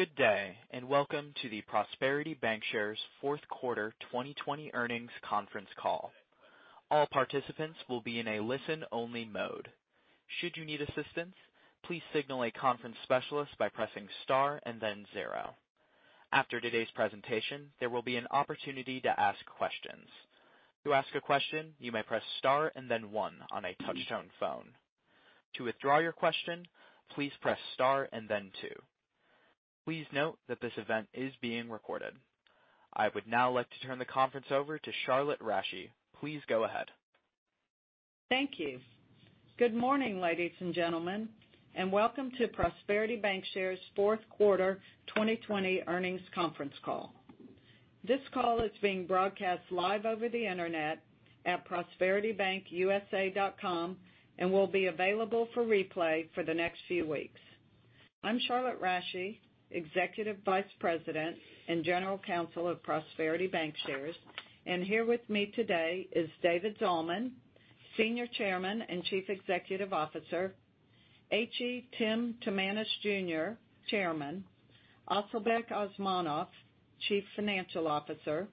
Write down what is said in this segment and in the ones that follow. Good day, and welcome to the Prosperity Bancshares fourth quarter 2020 earnings conference call. All participants will be in a listen-only mode. Should you need assistance, please signal a conference specialist by pressing star and then zero. After today's presentation, there will be an opportunity to ask questions. To ask a question, you may press star and then one on a touch-tone phone. To withdraw your question, please press star and then two. Please note that this event is being recorded. I would now like to turn the conference over to Charlotte Rasche. Please go ahead. Thank you. Good morning, ladies and gentlemen, welcome to Prosperity Bancshares fourth quarter 2020 earnings conference call. This call is being broadcast live over the internet at prosperitybankusa.com and will be available for replay for the next few weeks. I'm Charlotte Rasche, Executive Vice President and General Counsel of Prosperity Bancshares, and here with me today is David Zalman, Senior Chairman and Chief Executive Officer, H.E. Tim Timanus Jr., Chairman, Asylbek Osmonov, Chief Financial Officer,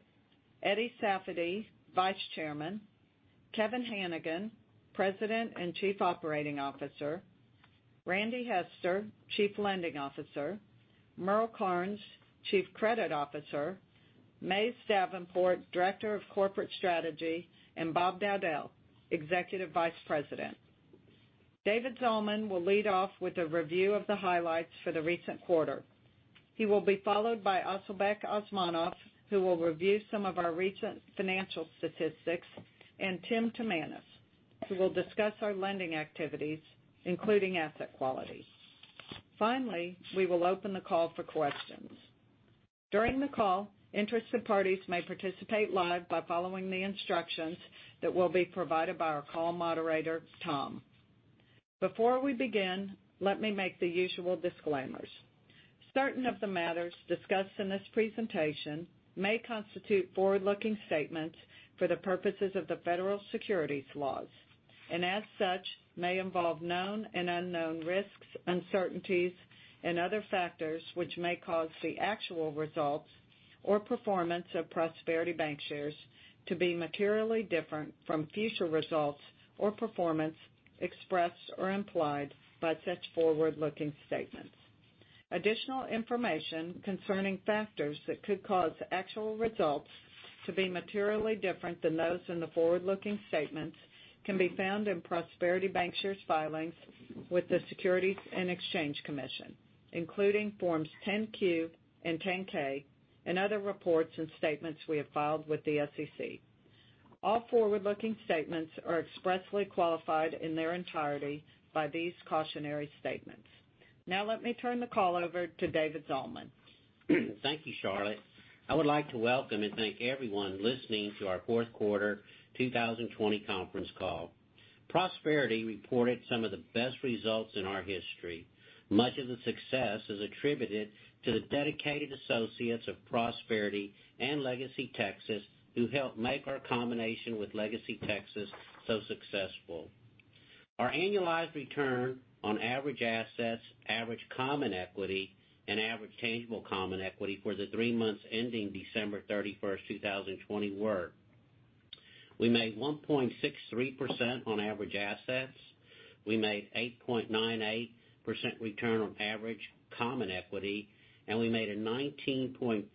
Eddie Safady, Vice Chairman, Kevin Hanigan, President and Chief Operating Officer, Randy Hester, Chief Lending Officer, Merle Karnes, Chief Credit Officer, Mays Davenport, Director of Corporate Strategy, and Bob Dowdell, Executive Vice President. David Zalman will lead off with a review of the highlights for the recent quarter. He will be followed by Asylbek Osmonov, who will review some of our recent financial statistics, and Tim Timanus, who will discuss our lending activities, including asset quality. Finally, we will open the call for questions. During the call, interested parties may participate live by following the instructions that will be provided by our call moderator, Tom. Before we begin, let me make the usual disclaimers. Certain of the matters discussed in this presentation may constitute forward-looking statements for the purposes of the federal securities laws, and as such, may involve known and unknown risks, uncertainties, and other factors which may cause the actual results or performance of Prosperity Bancshares to be materially different from future results or performance expressed or implied by such forward-looking statements. Additional information concerning factors that could cause actual results to be materially different than those in the forward-looking statements can be found in Prosperity Bancshares' filings with the Securities and Exchange Commission, including Forms 10-Q and 10-K and other reports and statements we have filed with the SEC. All forward-looking statements are expressly qualified in their entirety by these cautionary statements. Now let me turn the call over to David Zalman. Thank you, Charlotte Rasche. I would like to welcome and thank everyone listening to our fourth quarter 2020 conference call. Prosperity reported some of the best results in our history. Much of the success is attributed to the dedicated associates of Prosperity and LegacyTexas, who helped make our combination with LegacyTexas so successful. Our annualized return on average assets, average common equity, and average tangible common equity for the three months ending December 31st, 2020 were: we made 1.63% on average assets, we made 8.98% return on average common equity, and we made a 19.5%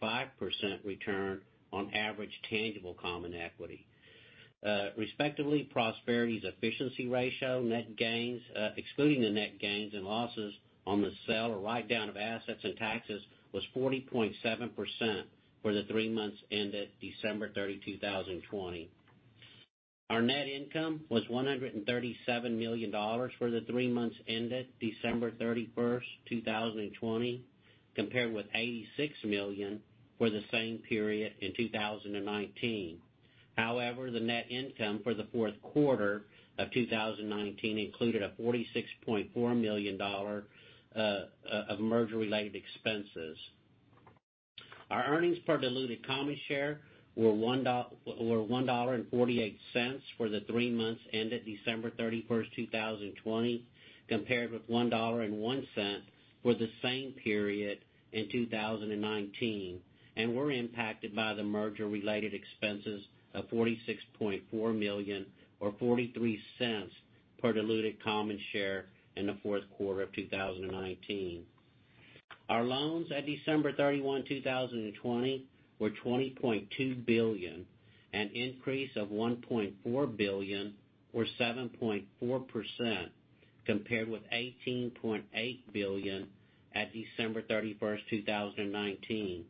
return on average tangible common equity. Respectively, Prosperity's efficiency ratio, excluding the net gains and losses on the sale or write-down of assets and taxes, was 40.7% for the three months ended December 30, 2020. Our net income was $137 million for the three months ended December 31st, 2020, compared with $86 million for the same period in 2019. However, the net income for the fourth quarter of 2019 included a $46.4 million of merger-related expenses. Our earnings per diluted common share were $1.48 for the three months ended December 31st, 2020, compared with $1.01 for the same period in 2019, and were impacted by the merger-related expenses of $46.4 million or $0.43 per diluted common share in the fourth quarter of 2019. Our loans at December 31, 2020, were $20.2 billion, an increase of $1.4 billion or 7.4% compared with $18.8 billion at December 31st, 2019.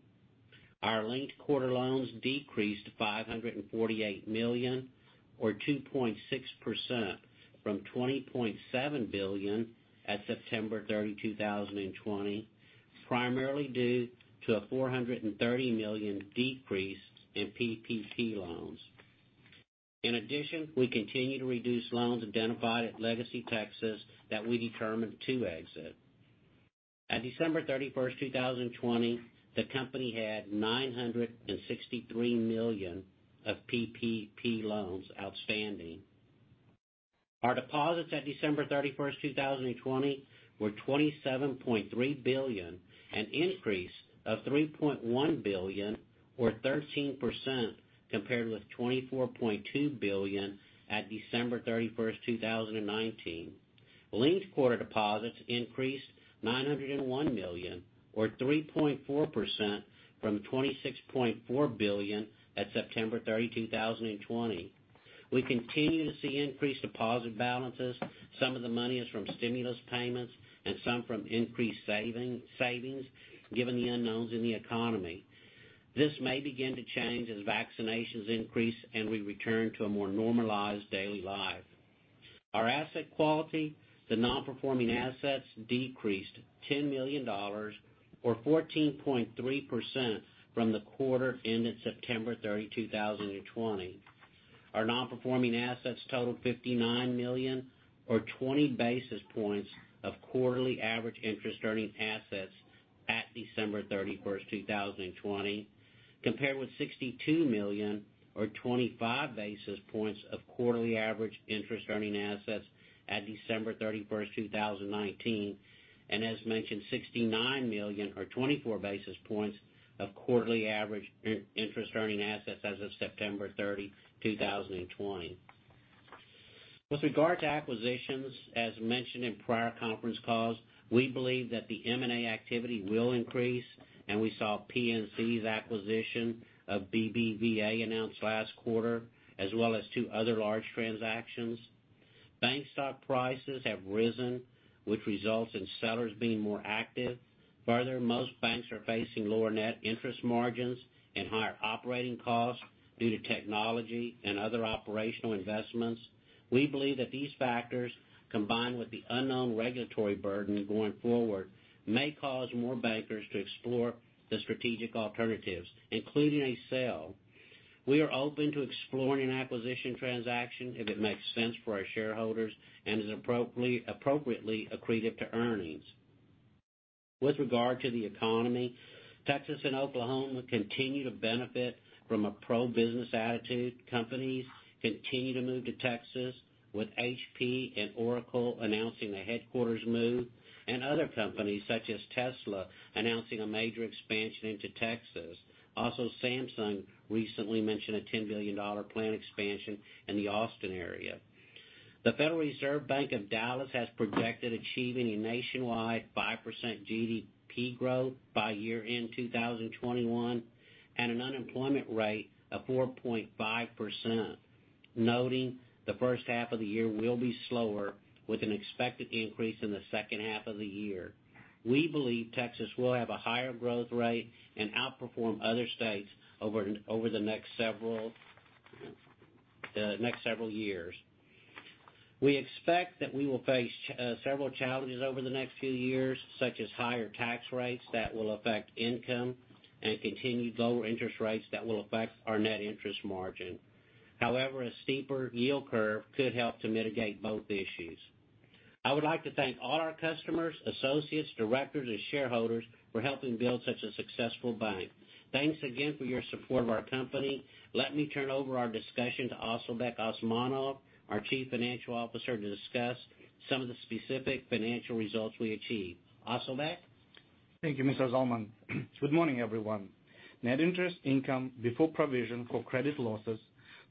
Our linked quarter loans decreased $548 million or 2.6% from $20.7 billion at September 30, 2020, primarily due to a $430 million decrease in PPP loans. In addition, we continue to reduce loans identified at LegacyTexas that we determined to exit. At December 31st, 2020, the company had $963 million of PPP loans outstanding. Our deposits at December 31st, 2020 were $27.3 billion, an increase of $3.1 billion or 13%, compared with $24.2 billion at December 31st, 2019. Linked quarter deposits increased $901 million or 3.4% from $26.4 billion at September 30, 2020. We continue to see increased deposit balances. Some of the money is from stimulus payments and some from increased savings, given the unknowns in the economy. This may begin to change as vaccinations increase, and we return to a more normalized daily life. Our asset quality, the non-performing assets decreased $10 million or 14.3% from the quarter ending September 30, 2020. Our non-performing assets totaled $59 million, or 20 basis points of quarterly average interest-earning assets at December 31st, 2020, compared with $62 million or 25 basis points of quarterly average interest-earning assets at December 31st, 2019, and as mentioned, $69 million or 24 basis points of quarterly average interest-earning assets as of September 30, 2020. With regard to acquisitions, as mentioned in prior conference calls, we believe that the M&A activity will increase. We saw PNC's acquisition of BBVA announced last quarter, as well as two other large transactions. Bank stock prices have risen, which results in sellers being more active. Further, most banks are facing lower net interest margins and higher operating costs due to technology and other operational investments. We believe that these factors, combined with the unknown regulatory burden going forward, may cause more bankers to explore the strategic alternatives, including a sale. We are open to exploring an acquisition transaction if it makes sense for our shareholders and is appropriately accretive to earnings. With regard to the economy, Texas and Oklahoma continue to benefit from a pro-business attitude. Companies continue to move to Texas, with HPE and Oracle announcing a headquarters move, and other companies such as Tesla announcing a major expansion into Texas. Also, Samsung recently mentioned a $10 billion plant expansion in the Austin area. The Federal Reserve Bank of Dallas has projected achieving a nationwide 5% GDP growth by year-end 2021 and an unemployment rate of 4.5%, noting the first half of the year will be slower, with an expected increase in the second half of the year. We believe Texas will have a higher growth rate and outperform other states over the next several years. We expect that we will face several challenges over the next few years, such as higher tax rates that will affect income and continued lower interest rates that will affect our net interest margin. However, a steeper yield curve could help to mitigate both issues. I would like to thank all our customers, associates, directors, and shareholders for helping build such a successful bank. Thanks again for your support of our company. Let me turn over our discussion to Asylbek Osmonov, our Chief Financial Officer, to discuss some of the specific financial results we achieved. Asylbek? Thank you, Mr. Zalman. Good morning, everyone. Net interest income before provision for credit losses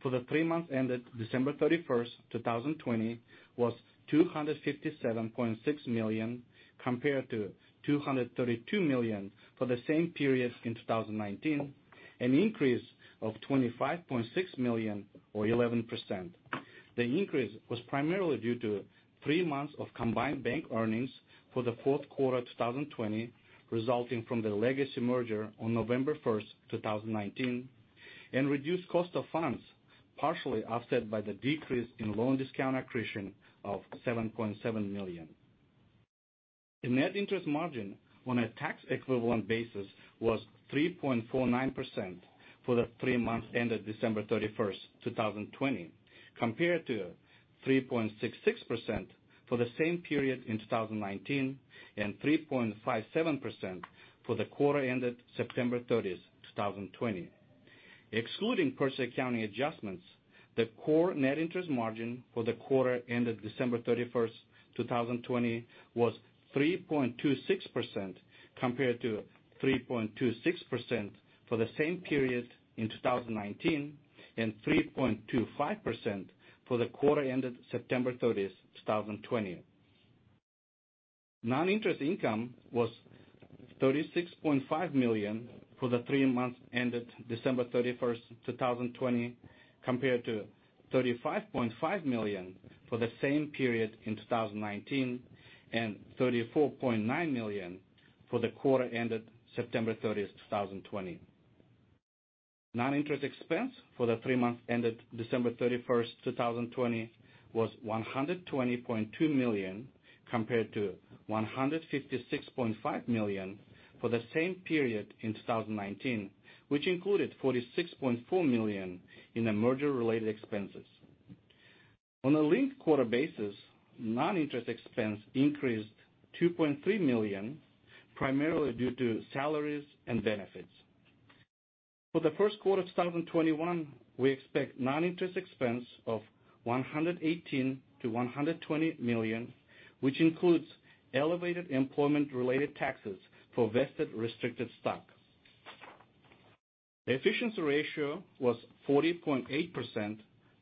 for the three months ended December 31st, 2020, was $257.6 million, compared to $232 million for the same period in 2019, an increase of $25.6 million or 11%. The increase was primarily due to three months of combined bank earnings for the fourth quarter 2020, resulting from the LegacyTexas merger on November 1st, 2019, and reduced cost of funds, partially offset by the decrease in loan discount accretion of $7.7 million. The net interest margin on a tax equivalent basis was 3.49% for the three months ended December 31st, 2020, compared to 3.66% for the same period in 2019 and 3.57% for the quarter ended September 30th, 2020. Excluding purchase accounting adjustments, the core net interest margin for the quarter ended December 31, 2020 was 3.26%, compared to 3.26% for the same period in 2019 and 3.25% for the quarter ended September 30, 2020. Non-interest income was $36.5 million for the three months ended December 31, 2020, compared to $35.5 million for the same period in 2019 and $34.9 million for the quarter ended September 30, 2020. Non-interest expense for the three months ended December 31, 2020 was $120.2 million, compared to $156.5 million for the same period in 2019, which included $46.4 million in the merger-related expenses. On a linked quarter basis, non-interest expense increased $2.3 million, primarily due to salaries and benefits. For the first quarter of 2021, we expect non-interest expense of $118 million-$120 million, which includes elevated employment-related taxes for vested restricted stock. The efficiency ratio was 40.8%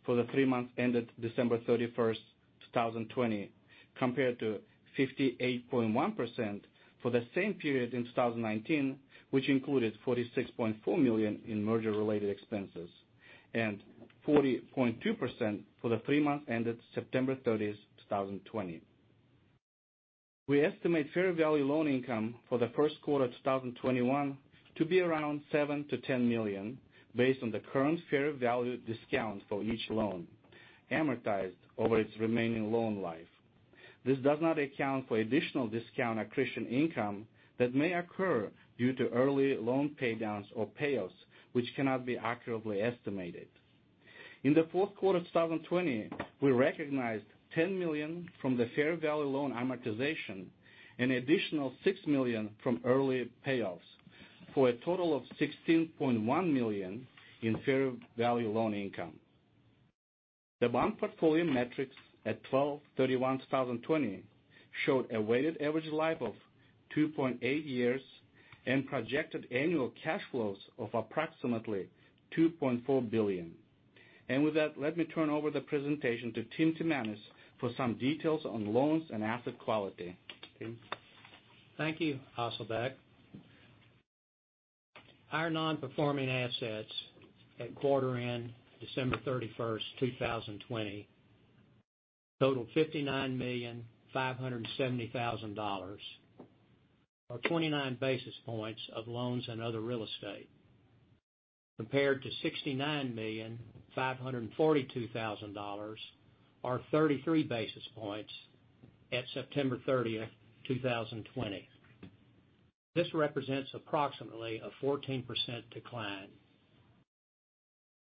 for the three months ended December 31st, 2020, compared to 58.1% for the same period in 2019, which included $46.4 million in merger-related expenses, and 40.2% for the three months ended September 30th, 2020. We estimate fair value loan income for the first quarter of 2021 to be around $7 million-$10 million based on the current fair value discount for each loan, amortized over its remaining loan life. This does not account for additional discount accretion income that may occur due to early loan paydowns or payoffs, which cannot be accurately estimated. In the fourth quarter of 2020, we recognized $10 million from the fair value loan amortization and additional $6 million from early payoffs, for a total of $16.1 million in fair value loan income. The loan portfolio metrics at 12/31/2020 showed a weighted average life of 2.8 years and projected annual cash flows of approximately $2.4 billion. With that, let me turn over the presentation to Tim Timanus for some details on loans and asset quality. Tim? Thank you, Asylbek. Our non-performing assets at quarter end December 31st, 2020, totaled $59,570,000, or 29 basis points of loans and other real estate, compared to $69,542,000, or 33 basis points at September 30th, 2020. This represents approximately a 14% decline.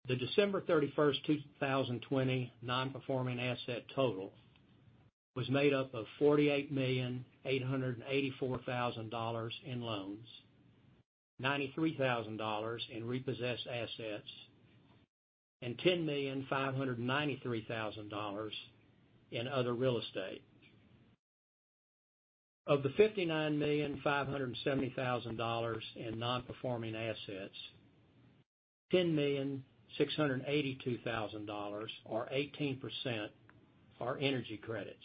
The December 31st, 2020 non-performing asset total was made up of $48,884,000 in loans, $93,000 in repossessed assets, and $10,593,000 in other real estate. Of the $59,570,000 in non-performing assets, $10,682,000, or 18%, are energy credits,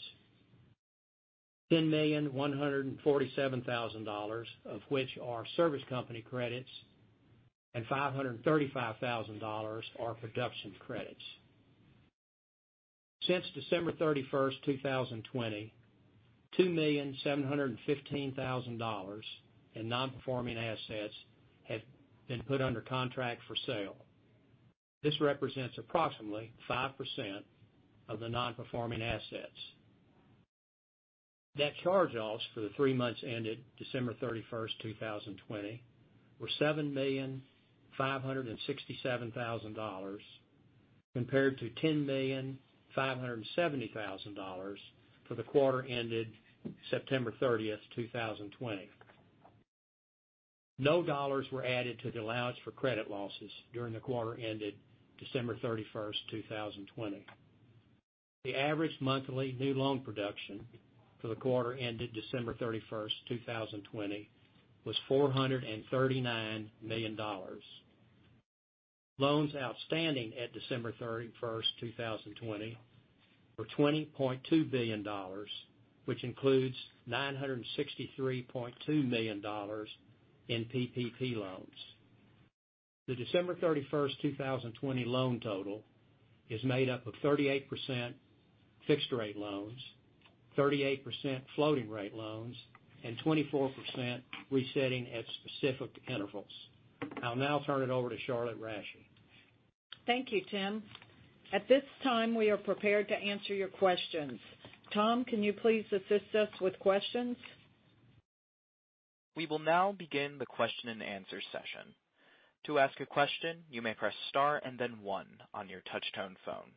$10,147,000 of which are service company credits, and $535,000 are production credits. Since December 31st, 2020, $2,715,000 in non-performing assets have been put under contract for sale. This represents approximately 5% of the non-performing assets. Net charge-offs for the three months ended December 31st, 2020, were $7,567,000 compared to $10,570,000 for the quarter ended September 30th, 2020. No dollars were added to the allowance for credit losses during the quarter ended December 31st, 2020. The average monthly new loan production for the quarter ended December 31st, 2020, was $439 million. Loans outstanding at December 31st, 2020, were $20.2 billion, which includes $963.2 million in PPP loans. The December 31st, 2020 loan total is made up of 38% fixed rate loans, 38% floating rate loans, and 24% resetting at specific intervals. I'll now turn it over to Charlotte Rasche. Thank you, Tim. At this time, we are prepared to answer your questions. Tom, can you please assist us with questions? We will now begin the question-and-answer session. To ask a question, you may press star and then one on your touch-tone phone.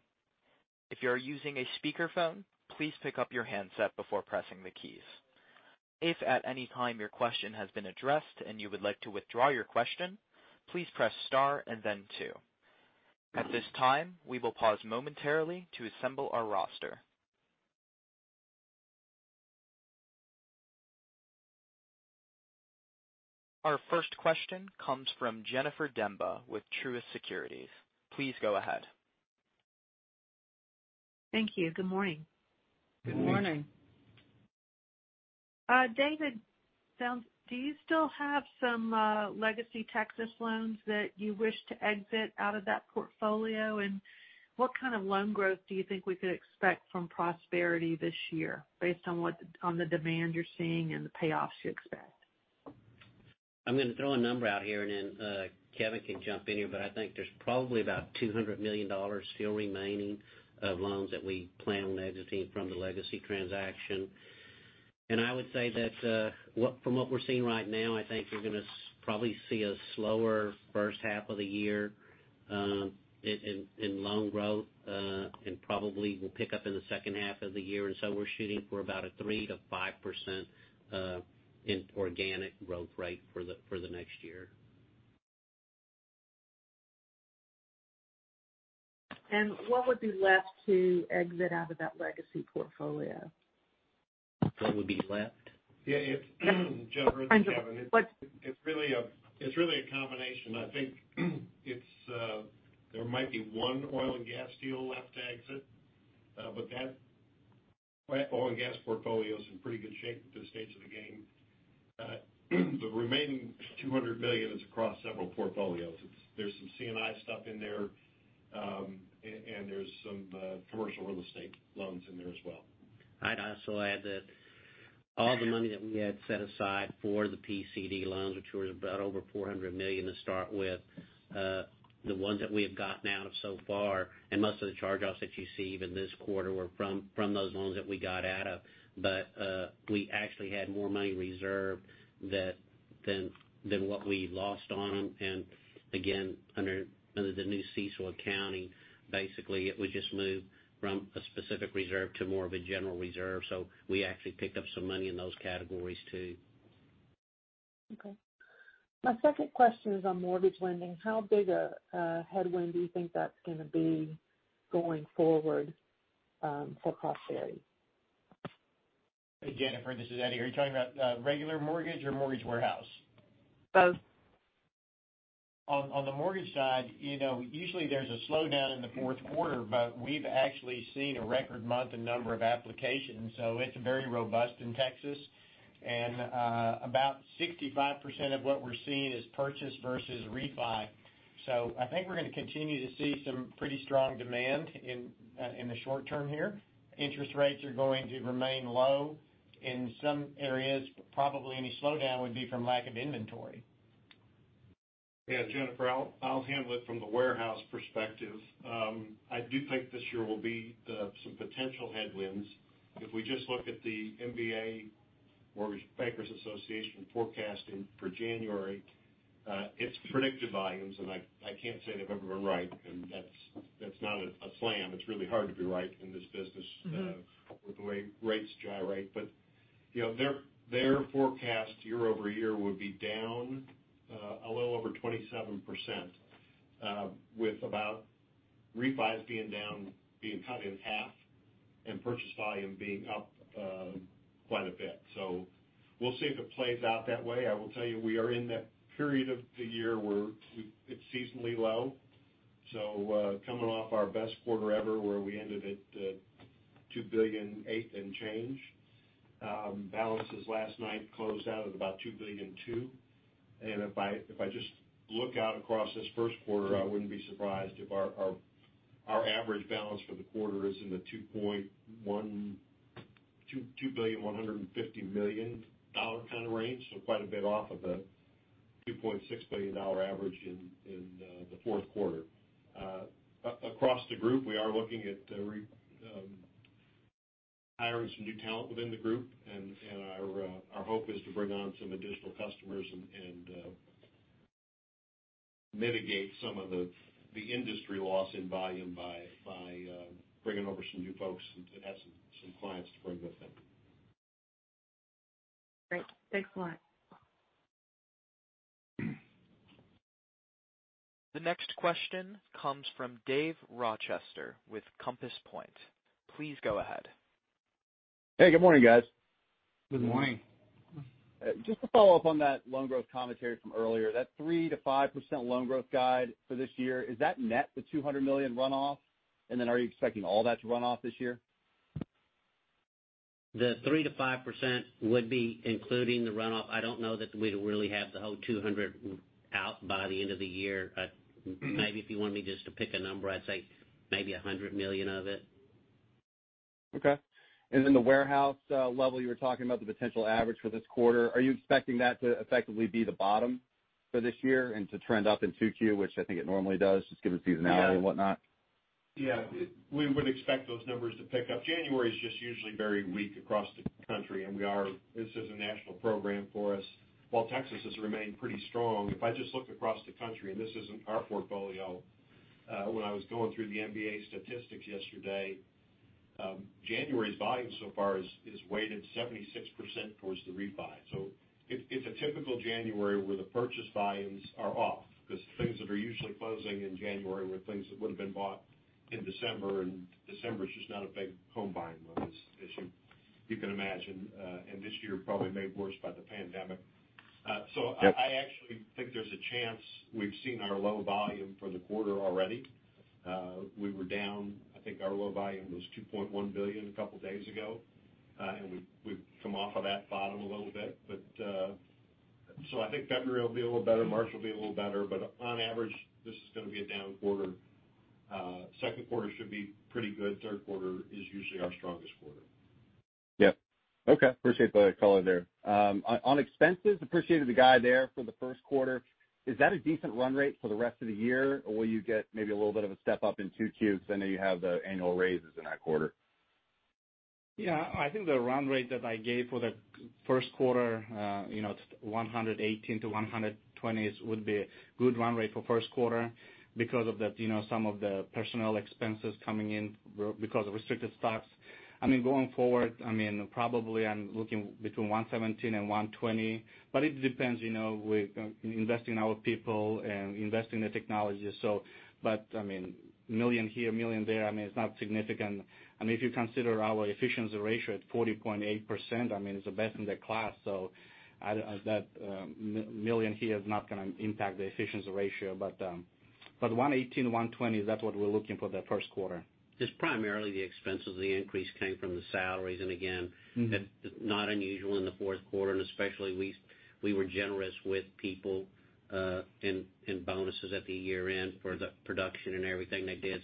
If you're using a speakerphone, please pick up your handset before pressing the keys. If at any time your question has been addressed and you would like to withdraw your question, please press star and then two. At this time, we will pause momentarily to assemble our roster. Our first question comes from Jennifer Demba with Truist Securities. Please go ahead. Thank you. Good morning. Good morning. David, do you still have some LegacyTexas loans that you wish to exit out of that portfolio? What kind of loan growth do you think we could expect from Prosperity this year based on the demand you're seeing and the payoffs you expect? I'm going to throw a number out here and then Kevin can jump in here, but I think there's probably about $200 million still remaining of loans that we plan on exiting from the Legacy transaction. I would say that from what we're seeing right now, I think you're going to probably see a slower first half of the year in loan growth, and probably will pick up in the second half of the year. We're shooting for about a 3%-5% in organic growth rate for the next year. What would be left to exit out of that legacy portfolio? What would be left? Yeah, Jennifer. I'm sorry. It's really a combination. I think there might be one oil and gas deal left to exit, but that oil and gas portfolio is in pretty good shape at this stage of the game. The remaining $200 million is across several portfolios. There's some C&I stuff in there, and there's some commercial real estate loans in there as well. I'd also add that all the money that we had set aside for the PCD loans, which was about over $400 million to start with, the ones that we have gotten out of so far, and most of the charge-offs that you see even this quarter were from those loans that we got out of. We actually had more money reserved than what we lost on them. Again, under the new CECL accounting, basically it was just moved from a specific reserve to more of a general reserve. We actually picked up some money in those categories, too. Okay. My second question is on mortgage lending. How big a headwind do you think that's going to be going forward for Prosperity? Hey, Jennifer, this is Eddie. Are you talking about regular mortgage or mortgage warehouse? Both. On the mortgage side, usually there's a slowdown in the fourth quarter. We've actually seen a record month in number of applications. It's very robust in Texas. About 65% of what we're seeing is purchase versus refi. I think we're going to continue to see some pretty strong demand in the short-term here. Interest rates are going to remain low in some areas. Probably any slowdown would be from lack of inventory. Yeah, Jennifer, I'll handle it from the warehouse perspective. I do think this year will be some potential headwinds. If we just look at the MBA, Mortgage Bankers Association, forecasting for January, its predicted volumes, and I can't say they've ever been right, and that's not a slam. It's really hard to be right in this business. With the way rates gyrate. Their forecast year-over-year would be down a little over 27%, with about refis being down, being cut in half, and purchase volume being up quite a bit. We'll see if it plays out that way. I will tell you, we are in that period of the year where it's seasonally low. Coming off our best quarter ever, where we ended at $2.8 billion and change. Balances last night closed out at about $2.2 billion. If I just look out across this first quarter, I wouldn't be surprised if our average balance for the quarter is in the $2.150 billion kind of range. Quite a bit off of the $2.6 billion average in the fourth quarter. Across the group, we are looking at hiring some new talent within the group. Our hope is to bring on some additional customers and mitigate some of the industry loss in volume by bringing over some new folks that have some clients to bring with them. Great. Thanks a lot. The next question comes from Dave Rochester with Compass Point. Please go ahead. Hey, good morning, guys. Good morning. Good morning. Just to follow-up on that loan growth commentary from earlier, that 3%-5% loan growth guide for this year, is that net the $200 million runoff? Then are you expecting all that to run off this year? The 3%-5% would be including the runoff. I don't know that we'd really have the whole $200 out by the end of the year. Maybe if you want me just to pick a number, I'd say maybe $100 million of it. Okay. The warehouse level, you were talking about the potential average for this quarter, are you expecting that to effectively be the bottom for this year and to trend up in 2Q, which I think it normally does, just given seasonality and whatnot? Yeah. We would expect those numbers to pick up. January is just usually very weak across the country, and this is a national program for us. Texas has remained pretty strong, if I just look across the country, and this isn't our portfolio, when I was going through the MBA statistics yesterday, January's volume so far is weighted 76% towards the refi. It's a typical January where the purchase volumes are off, because the things that are usually closing in January were things that would've been bought in December, and December is just not a big home buying month, as you can imagine, and this year probably made worse by the pandemic. I actually think there's a chance we've seen our low volume for the quarter already. We were down, I think our low volume was $2.1 billion a couple of days ago, and we've come off of that bottom a little bit. I think February will be a little better, March will be a little better, but on average, this is going to be a down quarter. Second quarter should be pretty good. Third quarter is usually our strongest quarter. Yep. Okay. Appreciate the color there. On expenses, appreciated the guide there for the first quarter. Is that a decent run rate for the rest of the year, or will you get maybe a little bit of a step up in 2Q because I know you have the annual raises in that quarter? I think the run rate that I gave for the first quarter, $118 million-$120 million would be a good run rate for the first quarter because of some of the personnel expenses coming in because of restricted stock. Going forward, probably I'm looking between $117 million and $120 million. It depends, we're investing in our people and investing in the technology. $1 million here, $1 million there, it's not significant. If you consider our efficiency ratio at 40.8%, it's the best in the class. That $1 million here is not going to impact the efficiency ratio. $118 million-$120 million, that's what we're looking for the first quarter. Just primarily the expense of the increase came from the salaries not unusual in the fourth quarter. Especially, we were generous with people in bonuses at the year-end for the production and everything they did.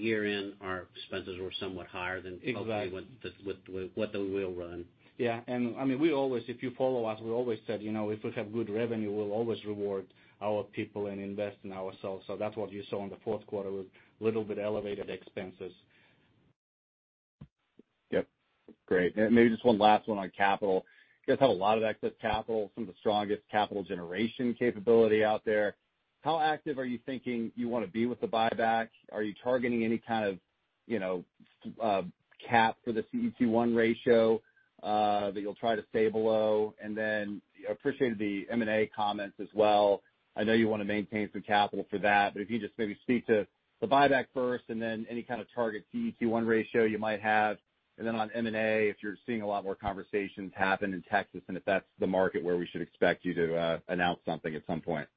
Year-end, our expenses were somewhat higher than. Exactly probably what the will run. Yeah. If you follow us, we always said, if we have good revenue, we'll always reward our people and invest in ourselves. That's what you saw in the fourth quarter, was a little bit elevated expenses. Yep, great. Maybe just one last one on capital. You guys have a lot of excess capital, some of the strongest capital generation capability out there. How active are you thinking you want to be with the buyback? Are you targeting any kind of cap for the CET1 ratio that you'll try to stay below? Appreciated the M&A comments as well. I know you want to maintain some capital for that, but if you just maybe speak to the buyback first and then any kind of target CET1 ratio you might have. On M&A, if you're seeing a lot more conversations happen in Texas, and if that's the market where we should expect you to announce something at some point.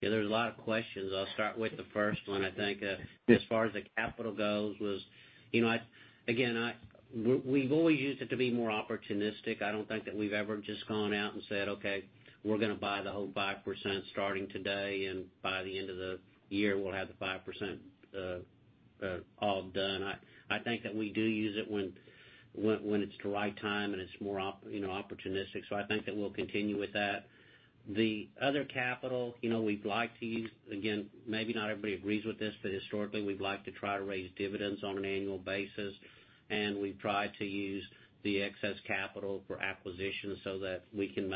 There's a lot of questions. I'll start with the first one. I think as far as the capital goes, again, we've always used it to be more opportunistic. I don't think that we've ever just gone out and said, Okay, we're going to buy the whole 5% starting today, and by the end of the year, we'll have the 5% all done. I think that we do use it when it's the right time and it's more opportunistic. I think that we'll continue with that. The other capital, we'd like to use, again, maybe not everybody agrees with this, but historically we'd like to try to raise dividends on an annual basis, and we've tried to use the excess capital for acquisitions so that we can.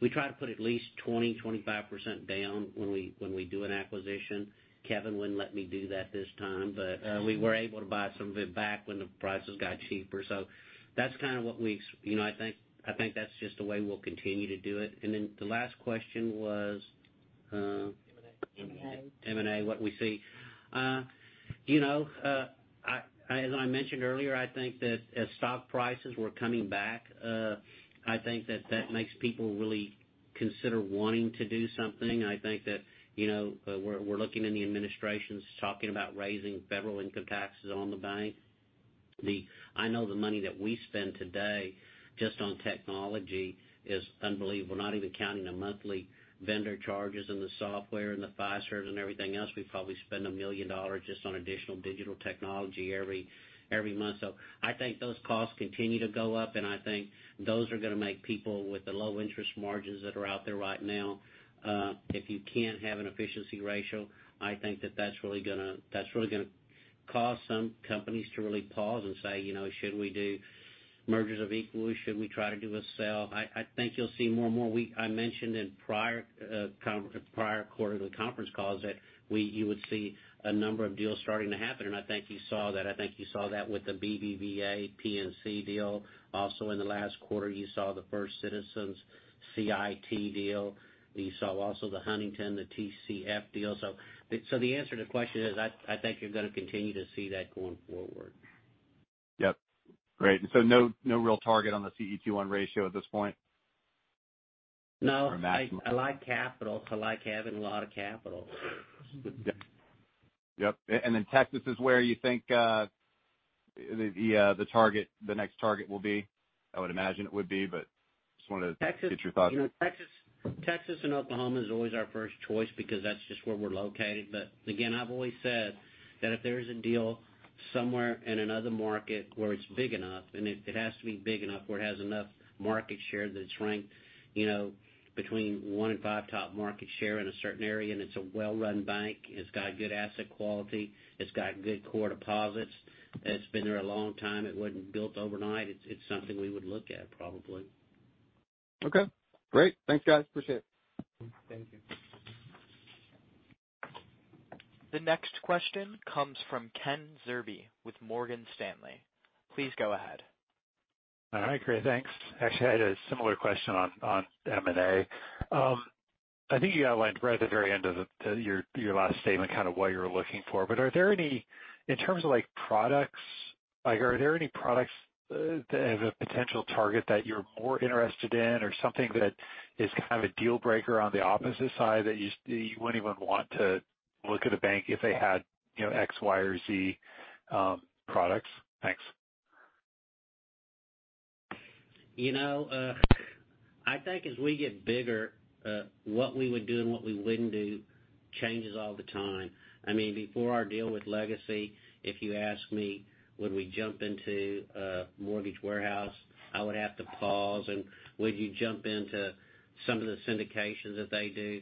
We try to put at least 20%-25% down when we do an acquisition. Kevin wouldn't let me do that this time. We were able to buy some of it back when the prices got cheaper. That's kind of I think that's just the way we'll continue to do it. The last question was. M&A M&A, what we see. As I mentioned earlier, I think that as stock prices were coming back, I think that that makes people really consider wanting to do something. I think that we're looking in the administrations talking about raising federal income taxes on the bank. I know the money that we spend today just on technology is unbelievable. We're not even counting the monthly vendor charges and the software and the file servers and everything else. We probably spend $1 million just on additional digital technology every month. I think those costs continue to go up, and I think those are going to make people with the low interest margins that are out there right now, if you can't have an efficiency ratio, I think that that's really going to cause some companies to really pause and say, Should we do mergers of equals? Should we try to do a sale? I think you'll see more and more. I mentioned in prior quarterly conference calls that you would see a number of deals starting to happen, and I think you saw that. I think you saw that with the BBVA-PNC deal. Also in the last quarter, you saw the First Citizens CIT deal. You saw also the Huntington, the TCF deal. So the answer to the question is, I think you're going to continue to see that going forward. Yep. Great. No real target on the CET1 ratio at this point? No. I like capital, so I like having a lot of capital. Yep. Texas is where you think the next target will be? I would imagine it would be, just wanted to get your thoughts on that. Texas and Oklahoma is always our first choice because that's just where we're located. Again, I've always said that if there is a deal somewhere in another market where it's big enough, and it has to be big enough where it has enough market share that it's ranked between one and five top market share in a certain area, and it's a well-run bank, it's got good asset quality, it's got good core deposits, it's been there a long time, it wasn't built overnight, it's something we would look at probably. Okay, great. Thanks, guys. Appreciate it. Thank you. The next question comes from Ken Zerbe with Morgan Stanley. Please go ahead. All right, great, thanks. Actually, I had a similar question on M&A. I think you outlined right at the very end of your last statement kind of what you're looking for. Are there any, in terms of products, are there any products that have a potential target that you're more interested in or something that is kind of a deal breaker on the opposite side that you wouldn't even want to look at a bank if they had X, Y, or Z products? Thanks. I think as we get bigger, what we would do and what we wouldn't do changes all the time. Before our deal with Legacy, if you asked me, Would we jump into a mortgage warehouse? I would have to pause, and would you jump into some of the syndications that they do?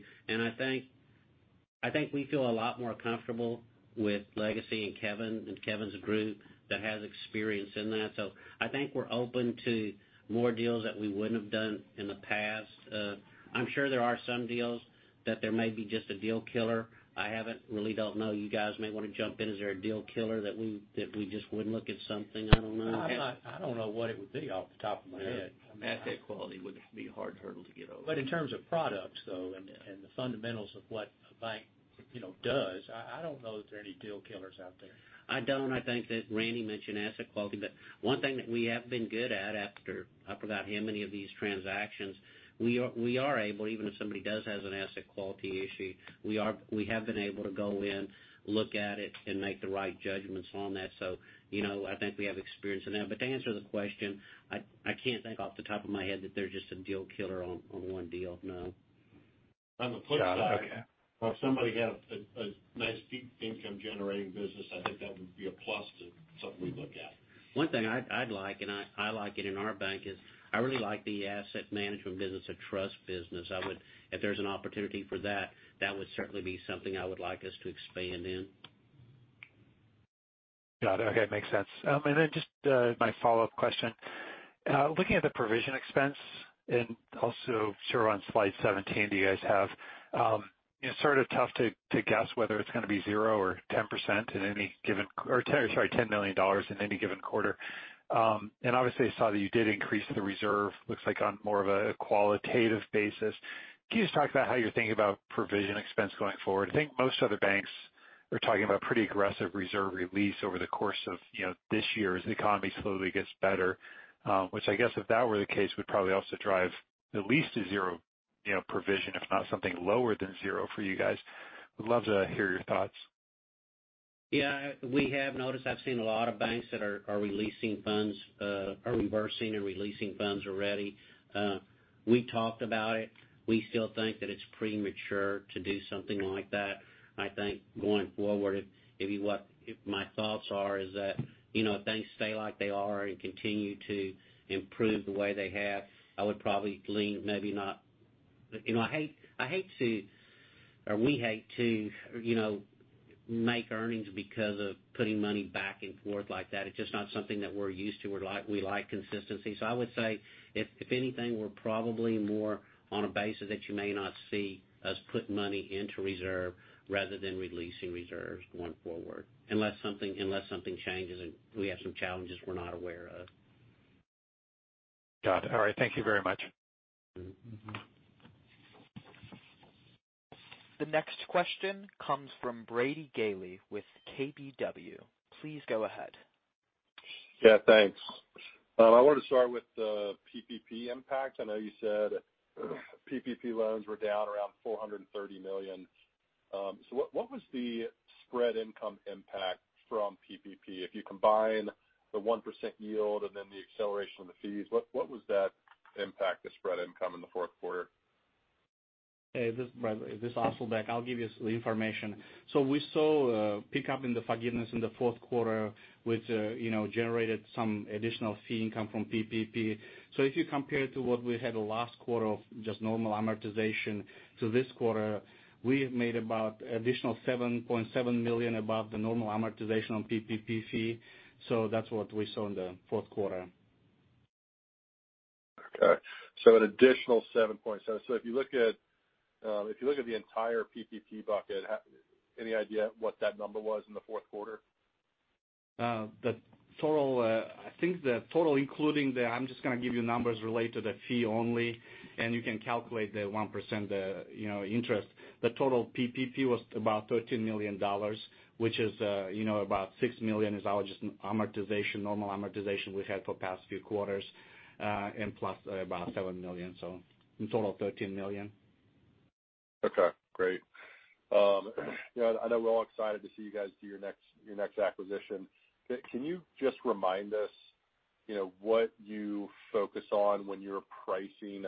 I think we feel a lot more comfortable with Legacy and Kevin and Kevin's group that has experience in that. I think we're open to more deals that we wouldn't have done in the past. I'm sure there are some deals that there may be just a deal killer. I haven't really don't know, you guys may want to jump in. Is there a deal killer that we just wouldn't look at something? I don't know. I don't know what it would be off the top of my head. Asset quality would be a hard hurdle to get over. In terms of products, though, and the fundamentals of what a bank does, I don't know that there are any deal killers out there. I don't. I think that Randy mentioned asset quality. One thing that we have been good at after about how many of these transactions, we are able, even if somebody does have an asset quality issue, we have been able to go in, look at it, and make the right judgments on that. I think we have experience in that. To answer the question, I can't think off the top of my head that there's just a deal killer on one deal, no. On the flip side. Got it. Okay. while somebody has a nice fee income generating business, I think that would be a plus to something we look at. One thing I'd like, and I like it in our bank, is I really like the asset management business or trust business. If there's an opportunity for that would certainly be something I would like us to expand in. Got it. Okay. Makes sense. Just my follow-up question. Looking at the provision expense and also shown, on Slide 17 that you guys have, it's sort of tough to guess whether it's going to be zero or $10 million in any given quarter. Obviously I saw that you did increase the reserve. Looks like on more of a qualitative basis. Can you just talk about how you're thinking about provision expense going forward? I think most other banks are talking about pretty aggressive reserve release over the course of this year as the economy slowly gets better. Which I guess if that were the case, would probably also drive at least a zero provision, if not something lower than zero for you guys. Would love to hear your thoughts. Yeah. We have noticed, I've seen a lot of banks that are releasing funds, are reversing and releasing funds already. We talked about it. We still think that it's premature to do something like that. I think going forward, if my thoughts are, is that if banks stay like they are and continue to improve the way they have, I would probably lean maybe not I hate to, or we hate to make earnings because of putting money back and forth like that. It's just not something that we're used to. We like consistency. I would say, if anything, we're probably more on a basis that you may not see us put money into reserve rather than releasing reserves going forward unless something changes, and we have some challenges we're not aware of. Got it. All right. Thank you very much. The next question comes from Brady Gailey with KBW. Please go ahead. Yeah, thanks. I wanted to start with the PPP impact. I know you said PPP loans were down around $430 million. What was the spread income impact from PPP? If you combine the 1% yield and then the acceleration of the fees, what was that impact to spread income in the fourth quarter? Hey, Brady. This is Asylbek. I'll give you the information. We saw a pickup in the forgiveness in the fourth quarter, which generated some additional fee income from PPP. If you compare to what we had the last quarter of just normal amortization to this quarter, we have made about additional $7.7 million above the normal amortization on PPP fee. That's what we saw in the fourth quarter. Okay. An additional $7.7 million. If you look at the entire PPP bucket, any idea what that number was in the fourth quarter? I think the total, including the I'm just going to give you numbers related to fee only, and you can calculate the 1% interest. The total PPP was about $13 million, which is about $6 million is our just amortization, normal amortization we've had for the past few quarters, and plus about $7 million. In total, $13 million. Okay, great. I know we're all excited to see you guys do your next acquisition. Can you just remind us what you focus on when you're pricing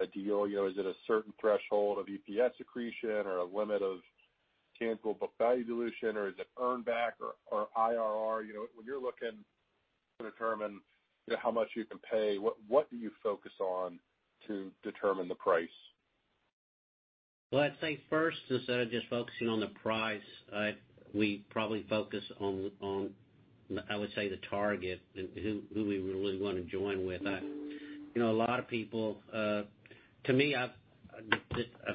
a deal? Is it a certain threshold of EPS accretion or a limit of tangible book value dilution, or is it earn back or IRR? When you're looking to determine how much you can pay, what do you focus on to determine the price? I'd say first, instead of just focusing on the price, we probably focus on, I would say, the target, who we really want to join with. To me, I've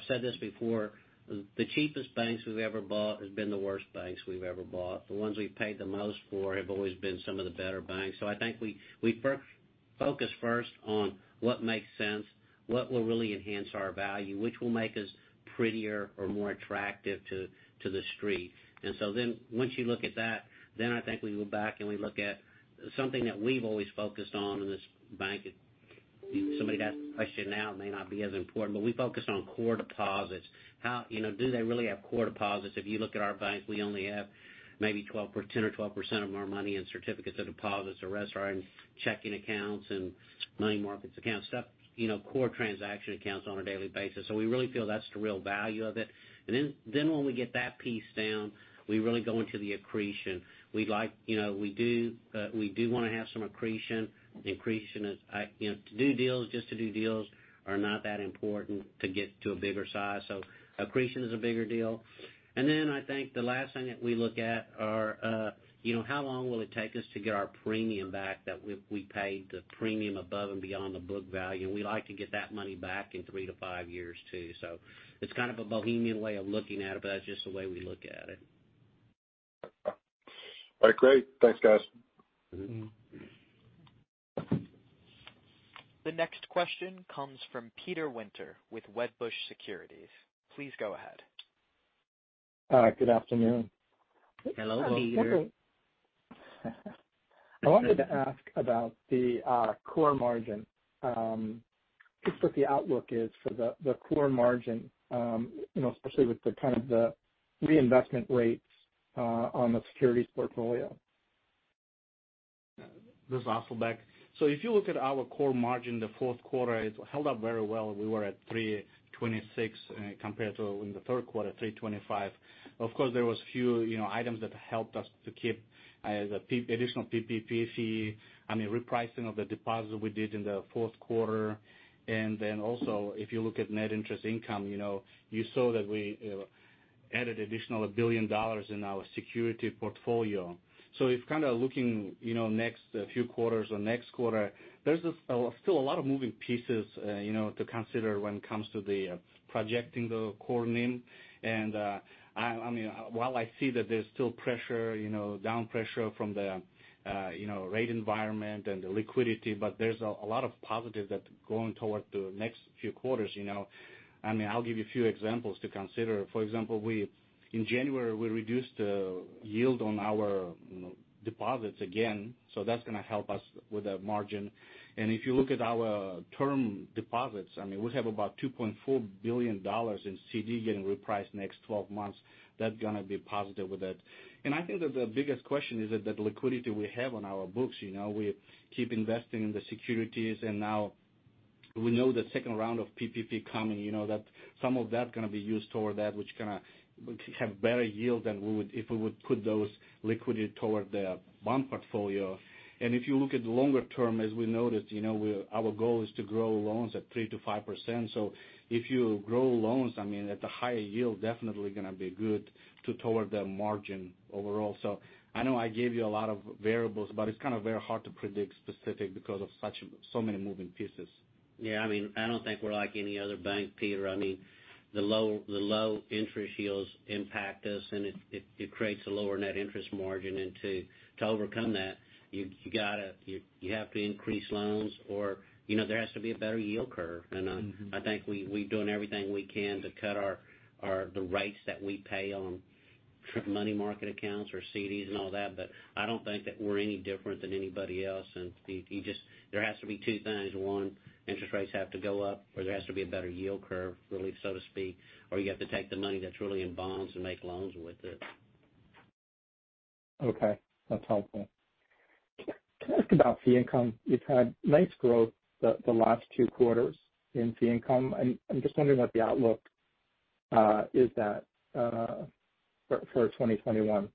said this before, the cheapest banks we've ever bought have been the worst banks we've ever bought. The ones we've paid the most for have always been some of the better banks. I think we focus first on what makes sense, what will really enhance our value, which will make us prettier or more attractive to the street. Once you look at that, then I think we move back and we look at something that we've always focused on in this bank. Somebody asked the question might be as important, but we focus on core deposits. Do they really have core deposits? If you look at our banks, we only have maybe 10% or 12% of our money in certificates of deposit. The rest are in checking accounts and money market accounts, core transaction accounts on a daily basis. We really feel that's the real value of it. When we get that piece down, we really go into the accretion. We do want to have some accretion. To do deals just to do deals are not that important to get to a bigger size. Accretion is a bigger deal. I think the last thing that we look at are, how long will it take us to get our premium back that we paid the premium above and beyond the book value? We like to get that money back in 3-5 years, too. It's kind of a bohemian way of looking at it, but that's just the way we look at it. All right, great. Thanks, guys. The next question comes from Peter Winter with Wedbush Securities. Please go ahead. All right. Good afternoon. Hello, Peter. I wanted to ask about the core margin, just what the outlook is for the core margin, especially with the reinvestment rates on the securities portfolio. This is Asylbek. If you look at our core margin, the fourth quarter, it held up very well. We were at 326 compared to in the third quarter, 325. Of course, there was few items that helped us to keep the additional PPP, I mean, repricing of the deposit we did in the fourth quarter. If you look at net interest income, you saw that we added additional $1 billion in our security portfolio. If kind of looking next few quarters or next quarter, there's still a lot of moving pieces to consider when it comes to the projecting the core NIM. While I see that there's still pressure, down pressure from the rate environment and the liquidity, but there's a lot of positive that going toward the next few quarters. I'll give you a few examples to consider. For example, in January, we reduced the yield on our deposits again, so that's going to help us with the margin. If you look at our term deposits, we have about $2.4 billion in CD getting repriced next 12 months. That going to be positive with it. I think that the biggest question is that liquidity we have on our books, we keep investing in the securities, and now we know the second round of PPP coming, that some of that going to be used toward that, which going to have better yield than if we would put those liquidity toward the bond portfolio. If you look at the longer-term, as we noted, our goal is to grow loans at 3%-5%. If you grow loans at the higher yield, definitely going to be good to toward the margin overall. I know I gave you a lot of variables, but it's kind of very hard to predict specific because of so many moving pieces. Yeah, I don't think we're like any other bank, Peter. The low interest yields impact us, and it creates a lower net interest margin. To overcome that, you have to increase loans or there has to be a better yield curve. I think we're doing everything we can to cut the rates that we pay on money market accounts or CDs and all that. I don't think that we're any different than anybody else. There has to be two things. One, interest rates have to go up, or there has to be a better yield curve, really, so to speak, or you have to take the money that's really in bonds and make loans with it. Okay. That's helpful. Can I ask about fee income? You've had nice growth the last two quarters in fee income, and I'm just wondering what the outlook is that for 2021.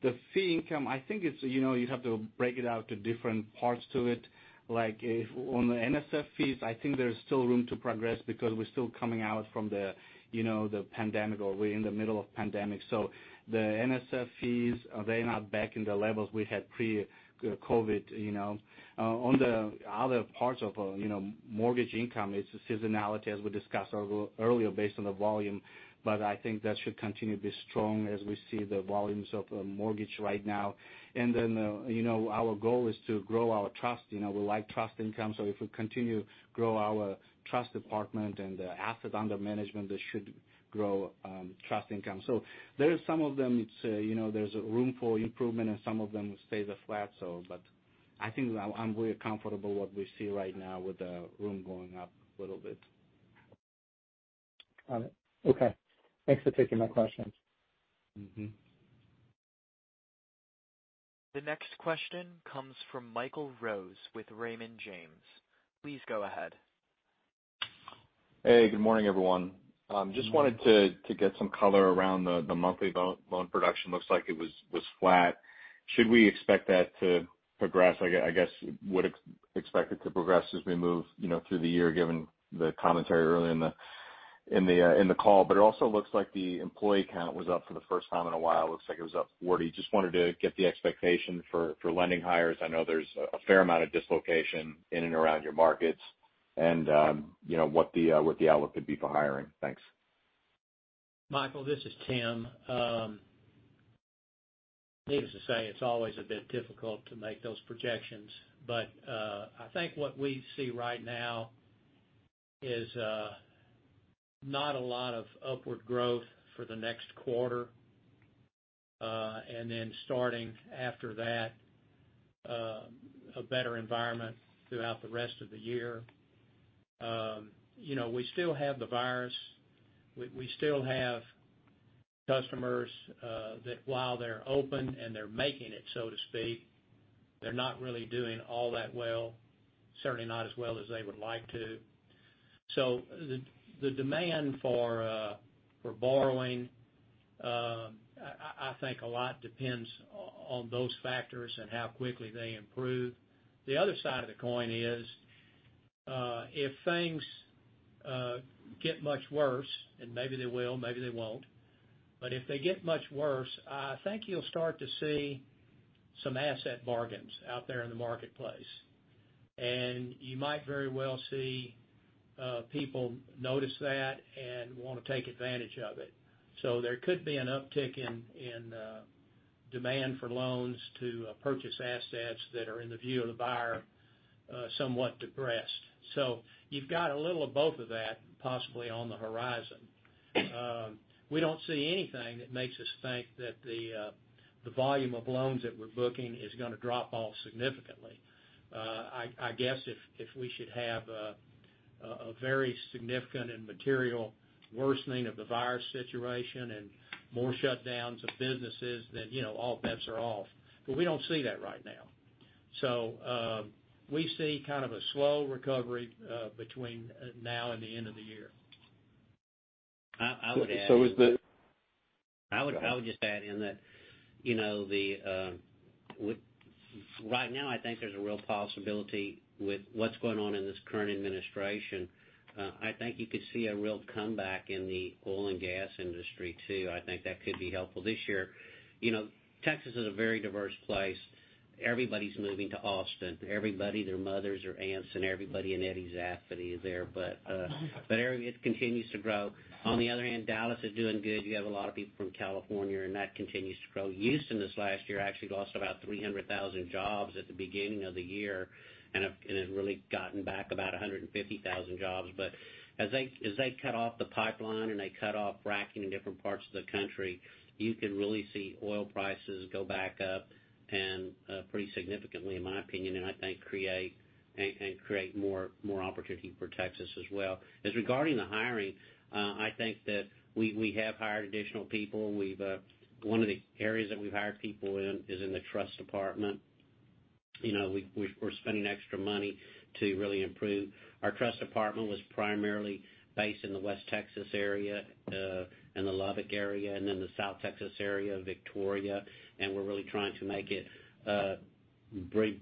The fee income, I think you have to break it out to different parts to it. Like if on the NSF fees, I think there's still room to progress because we're still coming out from the pandemic, or we're in the middle of pandemic. The NSF fees, they're not back in the levels we had pre-COVID. On the other parts of mortgage income, it's a seasonality as we discussed earlier, based on the volume. I think that should continue to be strong as we see the volumes of mortgage right now. Our goal is to grow our trust. We like trust income. If we continue to grow our trust department and the asset under management, that should grow trust income. There are some of them, there's room for improvement, and some of them stay flat. I think I'm really comfortable what we see right now with the room going up a little bit. Got it. Okay. Thanks for taking my questions. The next question comes from Michael Rose with Raymond James. Please go ahead. Hey, good morning, everyone. Just wanted to get some color around the monthly loan production. Looks like it was flat. Should we expect that to progress? I guess, would expect it to progress as we move through the year, given the commentary earlier in the call. It also looks like the employee count was up for the first time in a while. Looks like it was up 40. Just wanted to get the expectation for lending hires. I know there's a fair amount of dislocation in and around your markets and what the outlook could be for hiring. Thanks. Michael, this is Tim. Needless to say, it's always a bit difficult to make those projections, but I think what we see right now is not a lot of upward growth for the next quarter. Then starting after that, a better environment throughout the rest of the year. We still have the virus. We still have customers that while they're open and they're making it, so to speak, they're not really doing all that well, certainly not as well as they would like to. The demand for borrowing, I think a lot depends on those factors and how quickly they improve. The other side of the coin is, if things get much worse, and maybe they will, maybe they won't, but if they get much worse, I think you'll start to see some asset bargains out there in the marketplace. You might very well see people notice that and want to take advantage of it. There could be an uptick in demand for loans to purchase assets that are in the view of the buyer somewhat depressed. You've got a little of both of that possibly on the horizon. We don't see anything that makes us think that the volume of loans that we're booking is going to drop off significantly. I guess if we should have a very significant and material worsening of the virus situation and more shutdowns of businesses, all bets are off. We don't see that right now. We see kind of a slow recovery between now and the end of the year. I would add- So is the- I would just add in that right now, I think there's a real possibility with what's going on in this current administration, I think you could see a real comeback in the oil and gas industry, too. I think that could be helpful this year. Texas is a very diverse place. Everybody's moving to Austin. Everybody, their mothers, their aunts, and everybody, and Eddie's nephew is there. It continues to grow. On the other hand, Dallas is doing good. You have a lot of people from California, and that continues to grow. Houston this last year actually lost about 300,000 jobs at the beginning of the year and have really gotten back about 150,000 jobs. As they cut off the pipeline and they cut off fracking in different parts of the country, you could really see oil prices go back up, and pretty significantly, in my opinion, and I think create more opportunity for Texas as well. Regarding the hiring, I think that we have hired additional people. One of the areas that we've hired people in is in the trust department. We're spending extra money to really improve. Our trust department was primarily based in the West Texas area, and the Lubbock area, and then the South Texas area, Victoria, and we're really trying to make it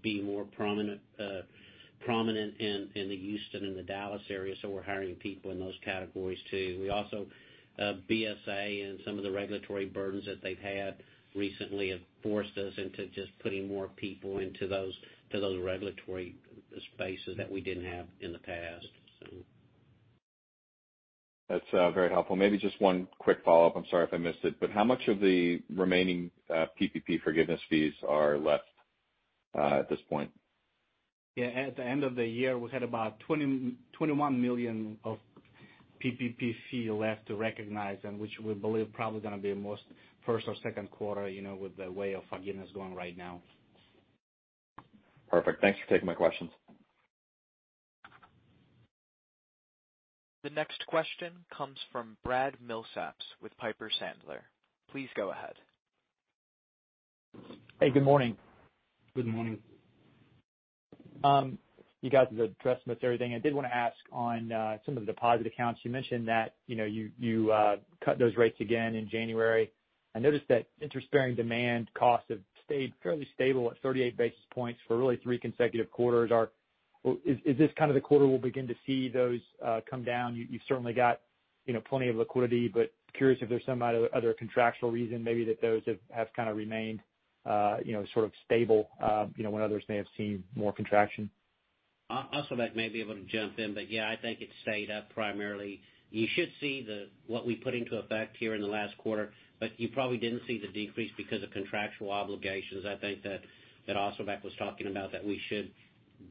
be more prominent in the Houston and the Dallas area, so we're hiring people in those categories, too. We also, BSA and some of the regulatory burdens that they've had recently have forced us into just putting more people into those regulatory spaces that we didn't have in the past. That's very helpful. Maybe just one quick follow-up. I'm sorry if I missed it, but how much of the remaining PPP forgiveness fees are left at this point? At the end of the year, we had about $21 million of PPP fee left to recognize, which we believe probably going to be most first or second quarter, with the way of forgiveness going right now. Perfect. Thanks for taking my questions. The next question comes from Brad Milsaps with Piper Sandler. Please go ahead. Hey, good morning. Good morning. You guys addressed most everything. I did want to ask on some of the deposit accounts, you mentioned that you cut those rates again in January. I noticed that interest-bearing demand costs have stayed fairly stable at 38 basis points for really three consecutive quarters. Is this kind of the quarter we'll begin to see those come down? You've certainly got plenty of liquidity, but curious if there's some other contractual reason maybe that those have kind of remained sort of stable when others may have seen more contraction. Asylbek may be able to jump in, yeah, I think it stayed up primarily. You should see what we put into effect here in the last quarter, you probably didn't see the decrease because of contractual obligations, I think, that Asylbek was talking about that we should,